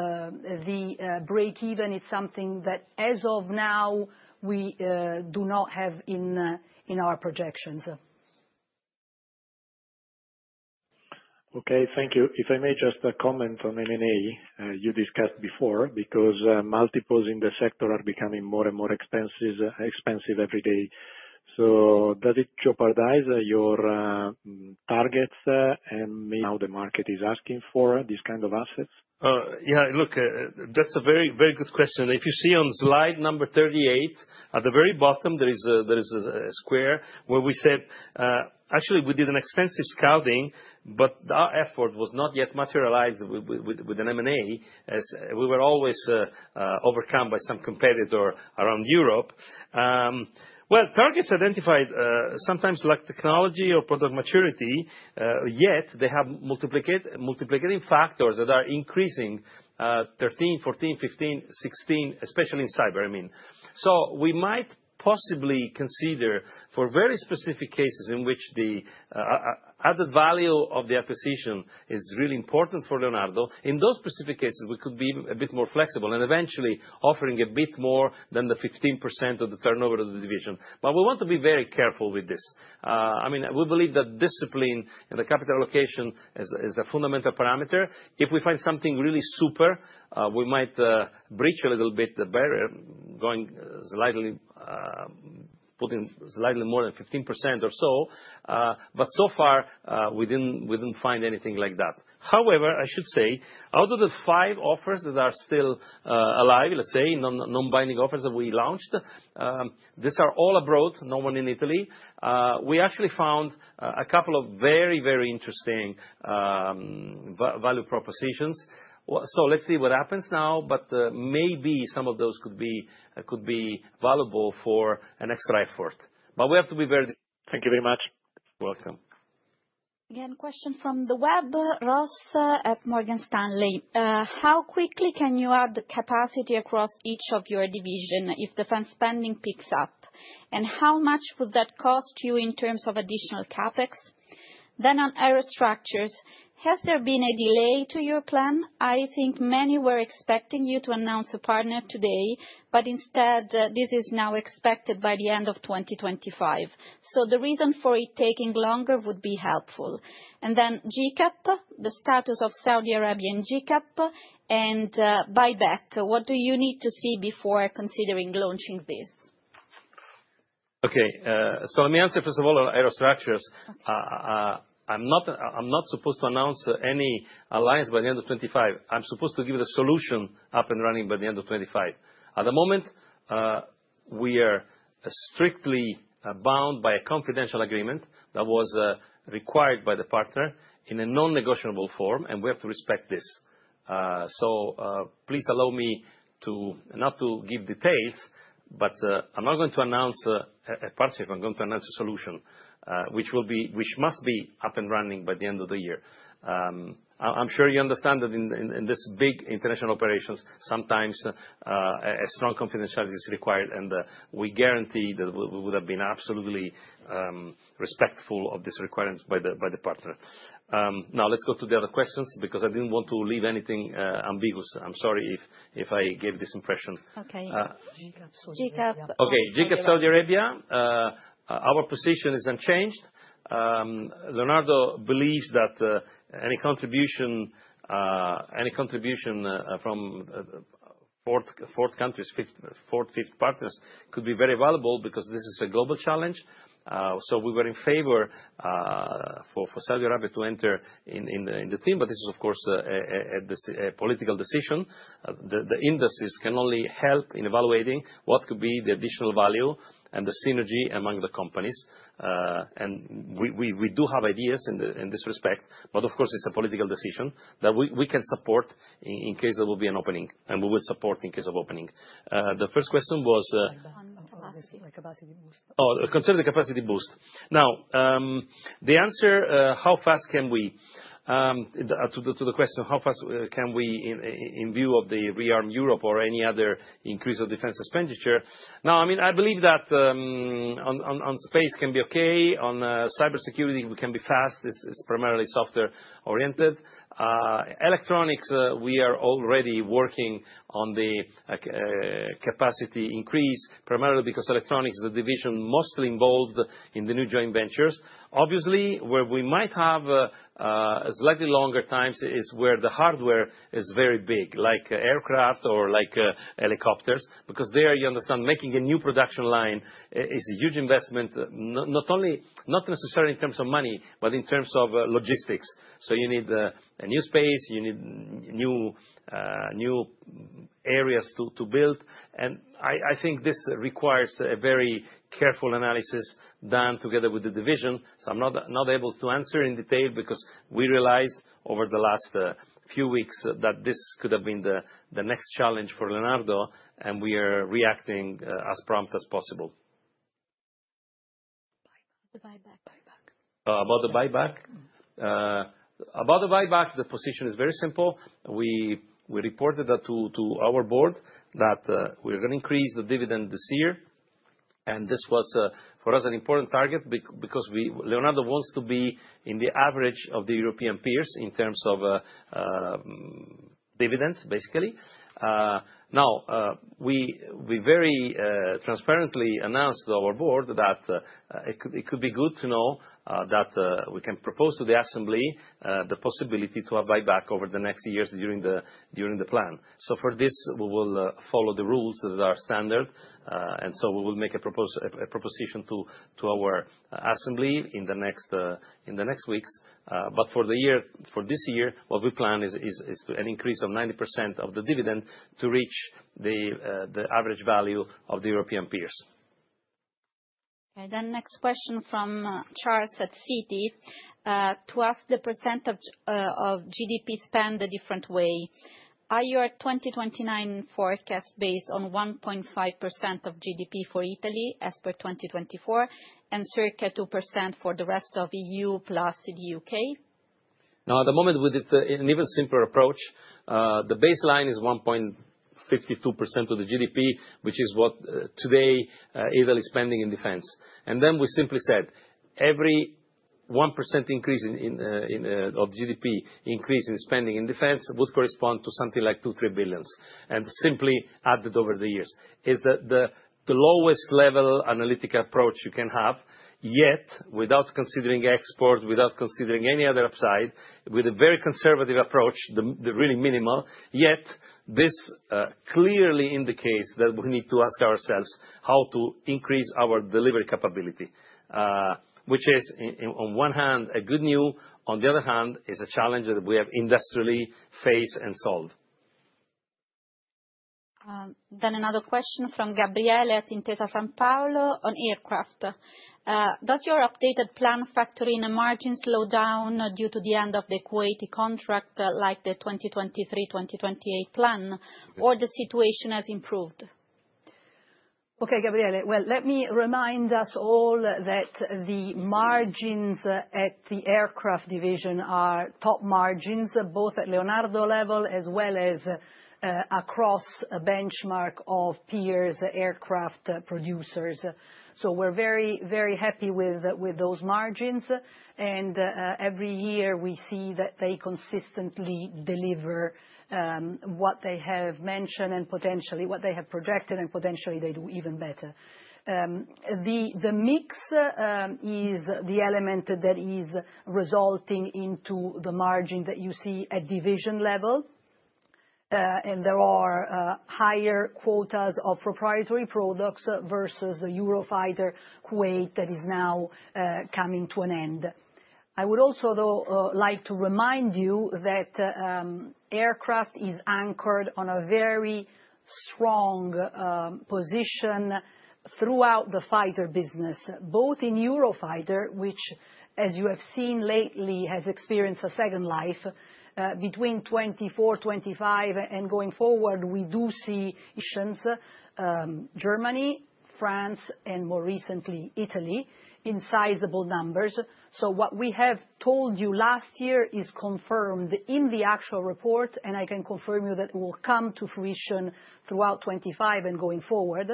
the break-even, it's something that as of now, we do not have in our projections. Okay, thank you. If I may just comment on M&A you discussed before because multiples in the sector are becoming more and more expensive every day. Does it jeopardize your targets and how the market is asking for this kind of assets? Yeah, look, that's a very, very good question. If you see on slide number 38, at the very bottom, there is a square where we said, actually, we did an extensive scouting, but our effort was not yet materialized with an M&A. We were always overcome by some competitor around Europe. Targets identified sometimes lack technology or product maturity, yet they have multiplicating factors that are increasing 13, 14, 15, 16, especially in cyber. I mean, we might possibly consider for very specific cases in which the added value of the acquisition is really important for Leonardo. In those specific cases, we could be a bit more flexible and eventually offering a bit more than the 15% of the turnover of the division. We want to be very careful with this. I mean, we believe that discipline and the capital allocation is a fundamental parameter. If we find something really super, we might breach a little bit, putting slightly more than 15% or so. So far, we did not find anything like that. However, I should say, out of the five offers that are still alive, let's say, non-binding offers that we launched, these are all abroad, no one in Italy. We actually found a couple of very, very interesting value propositions. Let's see what happens now, but maybe some of those could be valuable for an extra effort. We have to be very. Thank you very much. You're welcome. Again, question from the web, Ross at Morgan Stanley. How quickly can you add the capacity across each of your divisions if defense spending picks up? How much would that cost you in terms of additional CapEx? On Aerostructures, has there been a delay to your plan? I think many were expecting you to announce a partner today, but instead, this is now expected by the end of 2025. The reason for it taking longer would be helpful. GCAP, the status of Saudi Arabian GCAP and Bybec, what do you need to see before considering launching this? Okay, let me answer first of all on Aerostructures. I'm not supposed to announce any alliance by the end of 2025. I'm supposed to give the solution up and running by the end of 2025. At the moment, we are strictly bound by a confidential agreement that was required by the partner in a non-negotiable form, and we have to respect this. Please allow me not to give details, but I'm not going to announce a partnership. I'm going to announce a solution which must be up and running by the end of the year. I'm sure you understand that in this big international operations, sometimes a strong confidentiality is required, and we guarantee that we would have been absolutely respectful of this requirement by the partner. Now, let's go to the other questions because I didn't want to leave anything ambiguous. I'm sorry if I gave this impression. Okay. GCAP. Okay, GCAP Saudi Arabia. Our position is unchanged. Leonardo believes that any contribution from fourth countries, fourth, fifth partners could be very valuable because this is a global challenge. We were in favor for Saudi Arabia to enter in the team, but this is, of course, a political decision. The industries can only help in evaluating what could be the additional value and the synergy among the companies. We do have ideas in this respect, but of course, it's a political decision that we can support in case there will be an opening, and we will support in case of opening. The first question was, oh, consider the capacity boost. Oh, consider the capacity boost. Now, the answer, how fast can we? To the question, how fast can we in view of the ReArm Europe or any other increase of defense expenditure? I mean, I believe that on space can be okay. On cybersecurity, we can be fast. It's primarily software-oriented. Electronics, we are already working on the capacity increase, primarily because electronics is a division mostly involved in the new joint ventures. Obviously, where we might have slightly longer times is where the hardware is very big, like aircraft or like helicopters, because there, you understand, making a new production line is a huge investment, not only not necessarily in terms of money, but in terms of logistics. You need a new space, you need new areas to build. I think this requires a very careful analysis done together with the division. I'm not able to answer in detail because we realized over the last few weeks that this could have been the next challenge for Leonardo, and we are reacting as prompt as possible. About the buyback. About the buyback? About the buyback, the position is very simple. We reported that to our board that we're going to increase the dividend this year. This was, for us, an important target because Leonardo wants to be in the average of the European peers in terms of dividends, basically. Now, we very transparently announced to our board that it could be good to know that we can propose to the assembly the possibility to have buyback over the next years during the plan. For this, we will follow the rules that are standard. We will make a proposition to our assembly in the next weeks. For this year, what we plan is an increase of 90% of the dividend to reach the average value of the European peers. Okay, next question from Charles at Citi. To ask the percent of GDP spend a different way. Are your 2029 forecast based on 1.5% of GDP for Italy as per 2024 and circa 2% for the rest of the EU plus the U.K.? Now, at the moment, with an even simpler approach, the baseline is 1.52% of the GDP, which is what today Italy is spending in defense. We simply said every 1% increase of GDP increase in spending in defense would correspond to something like 2 billion-3 billion and simply added over the years. It is the lowest level analytic approach you can have, yet without considering export, without considering any other upside, with a very conservative approach, the really minimal, yet this clearly indicates that we need to ask ourselves how to increase our delivery capability, which is on one hand good news, on the other hand, is a challenge that we have industrially faced and solved. Another question from Gabriele at Intesa San Paolo on aircraft. Does your updated plan factor in a margin slowdown due to the end of the Kuwaiti contract like the 2023-2028 plan, or the situation has improved? Okay, Gabriele. Let me remind us all that the margins at the aircraft division are top margins, both at Leonardo level as well as across benchmark of peers aircraft producers. We are very, very happy with those margins. Every year we see that they consistently deliver what they have mentioned and potentially what they have projected, and potentially they do even better. The mix is the element that is resulting into the margin that you see at division level. There are higher quotas of proprietary products versus the Eurofighter Kuwait that is now coming to an end. I would also, though, like to remind you that aircraft is anchored on a very strong position throughout the fighter business, both in Eurofighter, which, as you have seen lately, has experienced a second life between 2024, 2025, and going forward, we do see additions: Germany, France, and more recently, Italy, in sizable numbers. What we have told you last year is confirmed in the actual report, and I can confirm you that it will come to fruition throughout 2025 and going forward,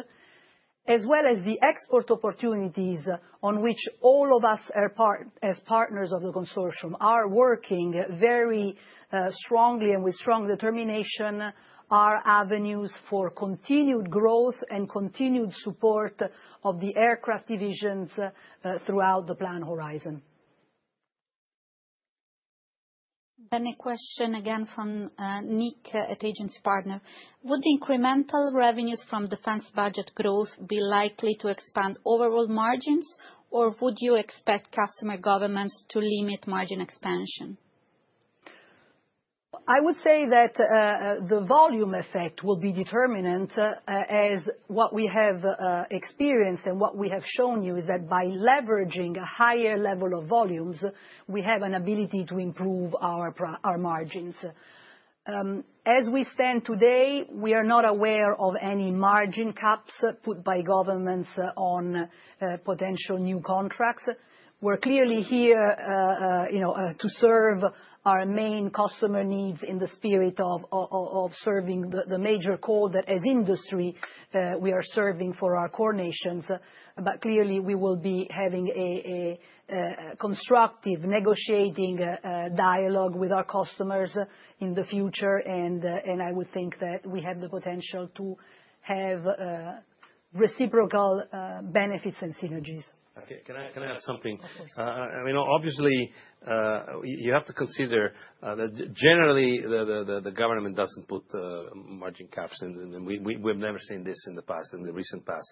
as well as the export opportunities on which all of us as partners of the consortium are working very strongly and with strong determination, our avenues for continued growth and continued support of the aircraft divisions throughout the plan horizon. A question again from Nick at Agency Partner. Would incremental revenues from defense budget growth be likely to expand overall margins, or would you expect customer governments to limit margin expansion? I would say that the volume effect will be determinant as what we have experienced and what we have shown you is that by leveraging a higher level of volumes, we have an ability to improve our margins. As we stand today, we are not aware of any margin caps put by governments on potential new contracts. We are clearly here to serve our main customer needs in the spirit of serving the major core that as industry, we are serving for our core nations. We will be having a constructive negotiating dialogue with our customers in the future, and I would think that we have the potential to have reciprocal benefits and synergies. Okay, can I add something? Of course. I mean, obviously, you have to consider that generally the government doesn't put margin caps, and we've never seen this in the past, in the recent past.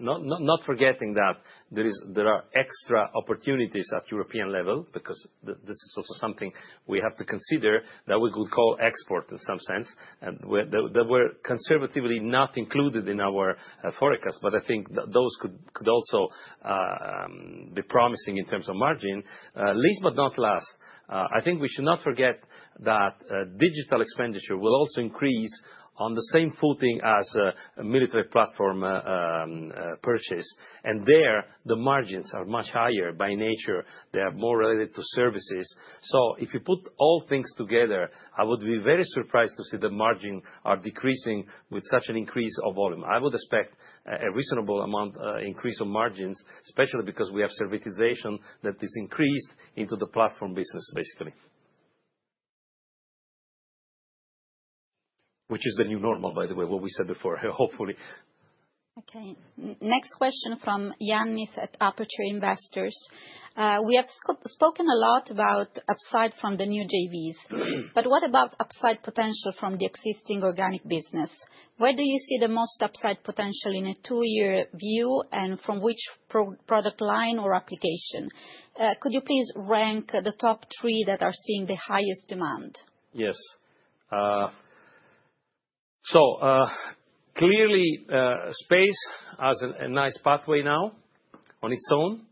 Not forgetting that there are extra opportunities at European level because this is also something we have to consider that we could call export in some sense, that were conservatively not included in our forecast, but I think that those could also be promising in terms of margin. Last but not least, I think we should not forget that digital expenditure will also increase on the same footing as military platform purchase. There, the margins are much higher by nature. They are more related to services. If you put all things together, I would be very surprised to see the margin are decreasing with such an increase of volume. I would expect a reasonable amount increase of margins, especially because we have servitization that is increased into the platform business, basically. Which is the new normal, by the way, what we said before, hopefully. Okay, next question from Yannis at Aperture Investors. We have spoken a lot about upside from the new JVs, but what about upside potential from the existing organic business? Where do you see the most upside potential in a two-year view and from which product line or application? Could you please rank the top three that are seeing the highest demand? Yes. Clearly, Space has a nice pathway now on its own.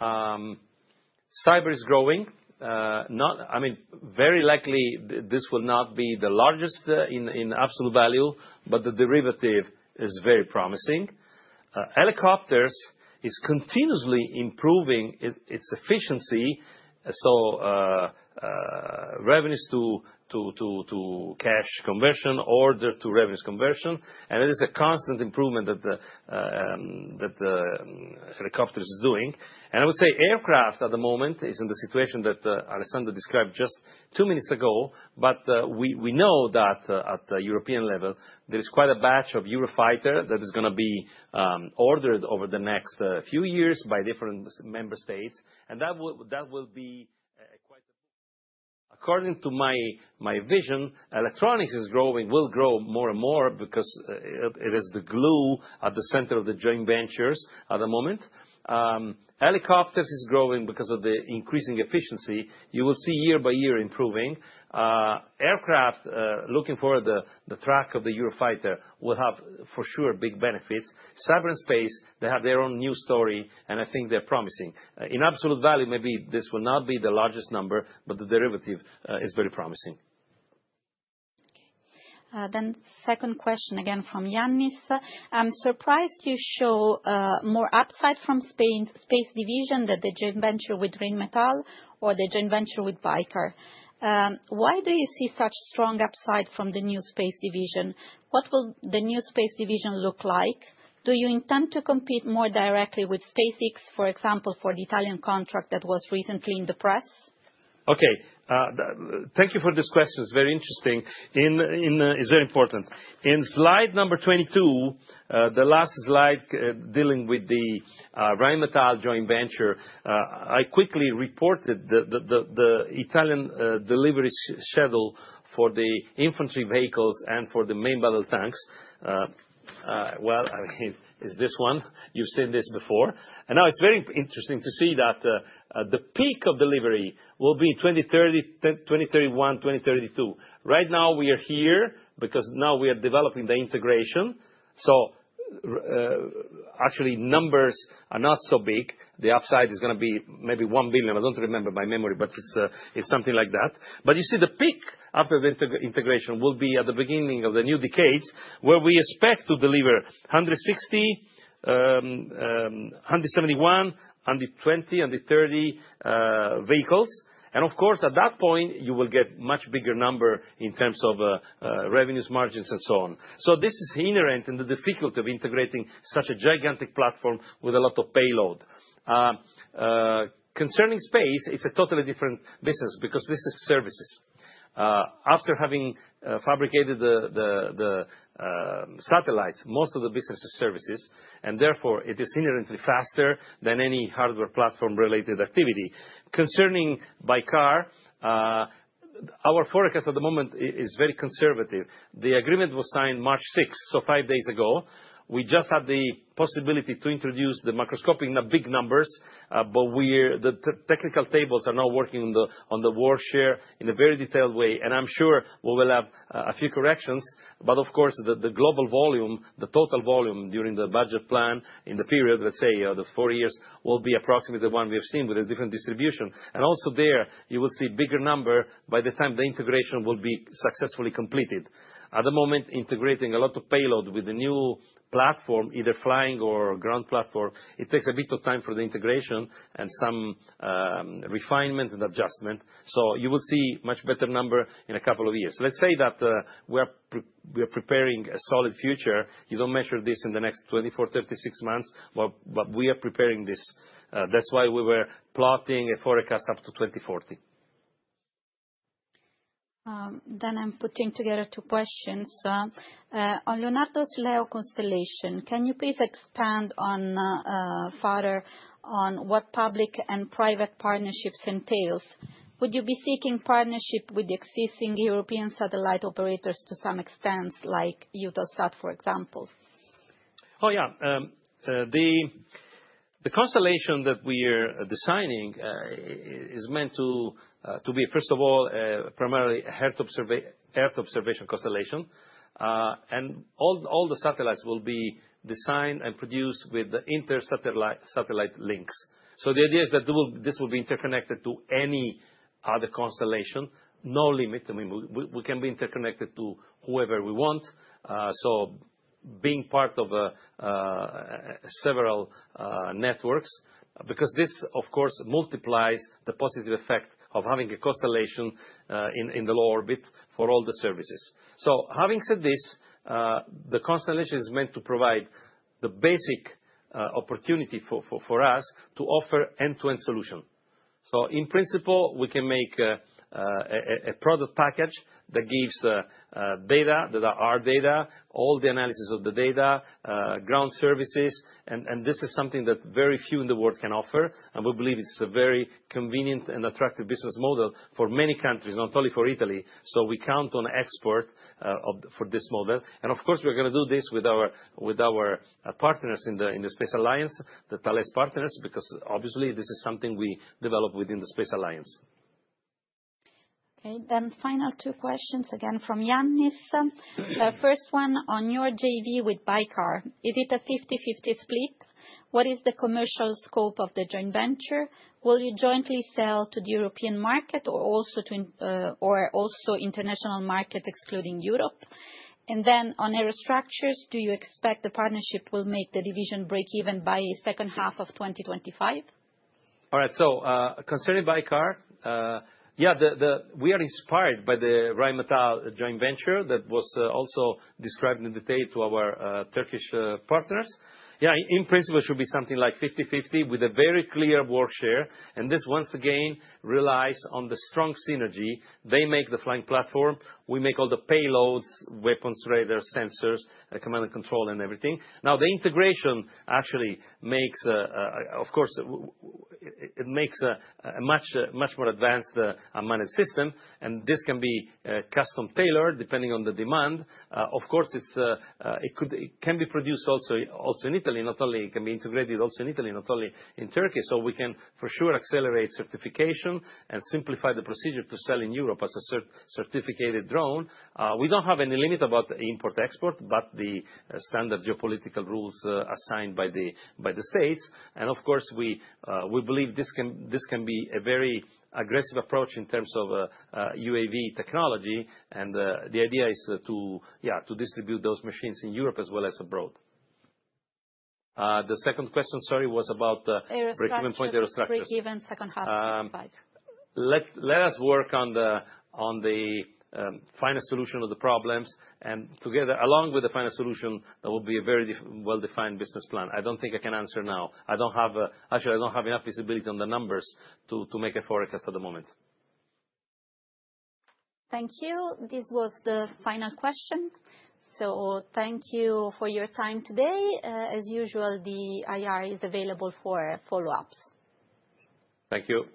Cyber is growing. I mean, very likely this will not be the largest in absolute value, but the derivative is very promising. Helicopters is continuously improving its efficiency. Revenues to cash conversion, order to revenues conversion, and it is a constant improvement that helicopters is doing. I would say aircraft at the moment is in the situation that Alessandra described just two minutes ago, but we know that at the European level, there is quite a batch of Eurofighter that is going to be ordered over the next few years by different member states. That will be quite a boost. According to my vision, electronics will grow more and more because it is the glue at the center of the joint ventures at the moment. Helicopters is growing because of the increasing efficiency. You will see year by year improving. Aircraft, looking for the track of the Eurofighter, will have for sure big benefits. Cyber and space, they have their own new story, and I think they're promising. In absolute value, maybe this will not be the largest number, but the derivative is very promising. Okay. Second question again from Yannis. I'm surprised you show more upside from Spain's space division than the joint venture with Rheinmetall or the joint venture with Baykar. Why do you see such strong upside from the new space division? What will the new space division look like? Do you intend to compete more directly with SpaceX, for example, for the Italian contract that was recently in the press? Okay. Thank you for this question. It's very interesting. It's very important. In slide number 22, the last slide dealing with the Rheinmetall joint venture, I quickly reported the Italian delivery schedule for the infantry vehicles and for the main battle tanks. I mean, it's this one. You've seen this before. It is very interesting to see that the peak of delivery will be in 2030, 2031, 2032. Right now, we are here because now we are developing the integration. Actually, numbers are not so big. The upside is going to be maybe 1 billion. I do not remember my memory, but it is something like that. You see the peak after the integration will be at the beginning of the new decades where we expect to deliver 160, 171, 120, 130 vehicles. At that point, you will get a much bigger number in terms of revenues, margins, and so on. This is inherent in the difficulty of integrating such a gigantic platform with a lot of payload. Concerning space, it is a totally different business because this is services. After having fabricated the satellites, most of the business is services, and therefore, it is inherently faster than any hardware platform-related activity. Concerning Baykar, our forecast at the moment is very conservative. The agreement was signed March 6, so five days ago. We just had the possibility to introduce the microscopic in the big numbers, but the technical tables are now working on the war share in a very detailed way. I am sure we will have a few corrections, but of course, the global volume, the total volume during the budget plan in the period, let's say the four years, will be approximately the one we have seen with a different distribution. Also there, you will see a bigger number by the time the integration will be successfully completed. At the moment, integrating a lot of payload with the new platform, either flying or ground platform, it takes a bit of time for the integration and some refinement and adjustment. You will see a much better number in a couple of years. Let's say that we are preparing a solid future. You don't measure this in the next 24, 36 months, but we are preparing this. That is why we were plotting a forecast up to 2040. I am putting together two questions. On Leonardo's Leo constellation, can you please expand further on what public and private partnerships entails? Would you be seeking partnership with the existing European satellite operators to some extent, like Eutelsat, for example? Oh yeah. The constellation that we are designing is meant to be, first of all, primarily an Earth observation constellation. All the satellites will be designed and produced with inter-satellite links. The idea is that this will be interconnected to any other constellation, no limit. I mean, we can be interconnected to whoever we want. Being part of several networks, this multiplies the positive effect of having a constellation in the low orbit for all the services. Having said this, the constellation is meant to provide the basic opportunity for us to offer end-to-end solution. In principle, we can make a product package that gives data, that are our data, all the analysis of the data, ground services. This is something that very few in the world can offer. We believe it is a very convenient and attractive business model for many countries, not only for Italy. We count on export for this model. Of course, we are going to do this with our partners in the Space Alliance, the Thales partners, because obviously, this is something we develop within the Space Alliance. Okay. Final two questions again from Yannis. First one, on your JV with Baykar, is it a 50/50 split? What is the commercial scope of the joint venture? Will you jointly sell to the European market or also international market excluding Europe? On Aerostructures, do you expect the partnership will make the division break even by the second half of 2025? All right. Concerning Baykar, yeah, we are inspired by the Rheinmetall joint venture that was also described in detail to our Turkish partners. In principle, it should be something like 50/50 with a very clear war share. This once again relies on the strong synergy. They make the flying platform. We make all the payloads, weapons, radar, sensors, command and control, and everything. Now, the integration actually makes, of course, it makes a much more advanced unmanned system, and this can be custom tailored depending on the demand. Of course, it can be produced also in Italy, not only it can be integrated also in Italy, not only in Turkey. We can for sure accelerate certification and simplify the procedure to sell in Europe as a certificated drone. We do not have any limit about import-export, but the standard geopolitical rules assigned by the states. Of course, we believe this can be a very aggressive approach in terms of UAV technology. The idea is to distribute those machines in Europe as well as abroad. The second question, sorry, was about Aerostructures. Break even point Aerostructures. Break even second half of 2025. Let us work on the finest solution of the problems and together, along with the finest solution, there will be a very well-defined business plan. I don't think I can answer now. Actually, I don't have enough visibility on the numbers to make a forecast at the moment. Thank you. This was the final question. Thank you for your time today. As usual, the IR is available for follow-ups. Thank you.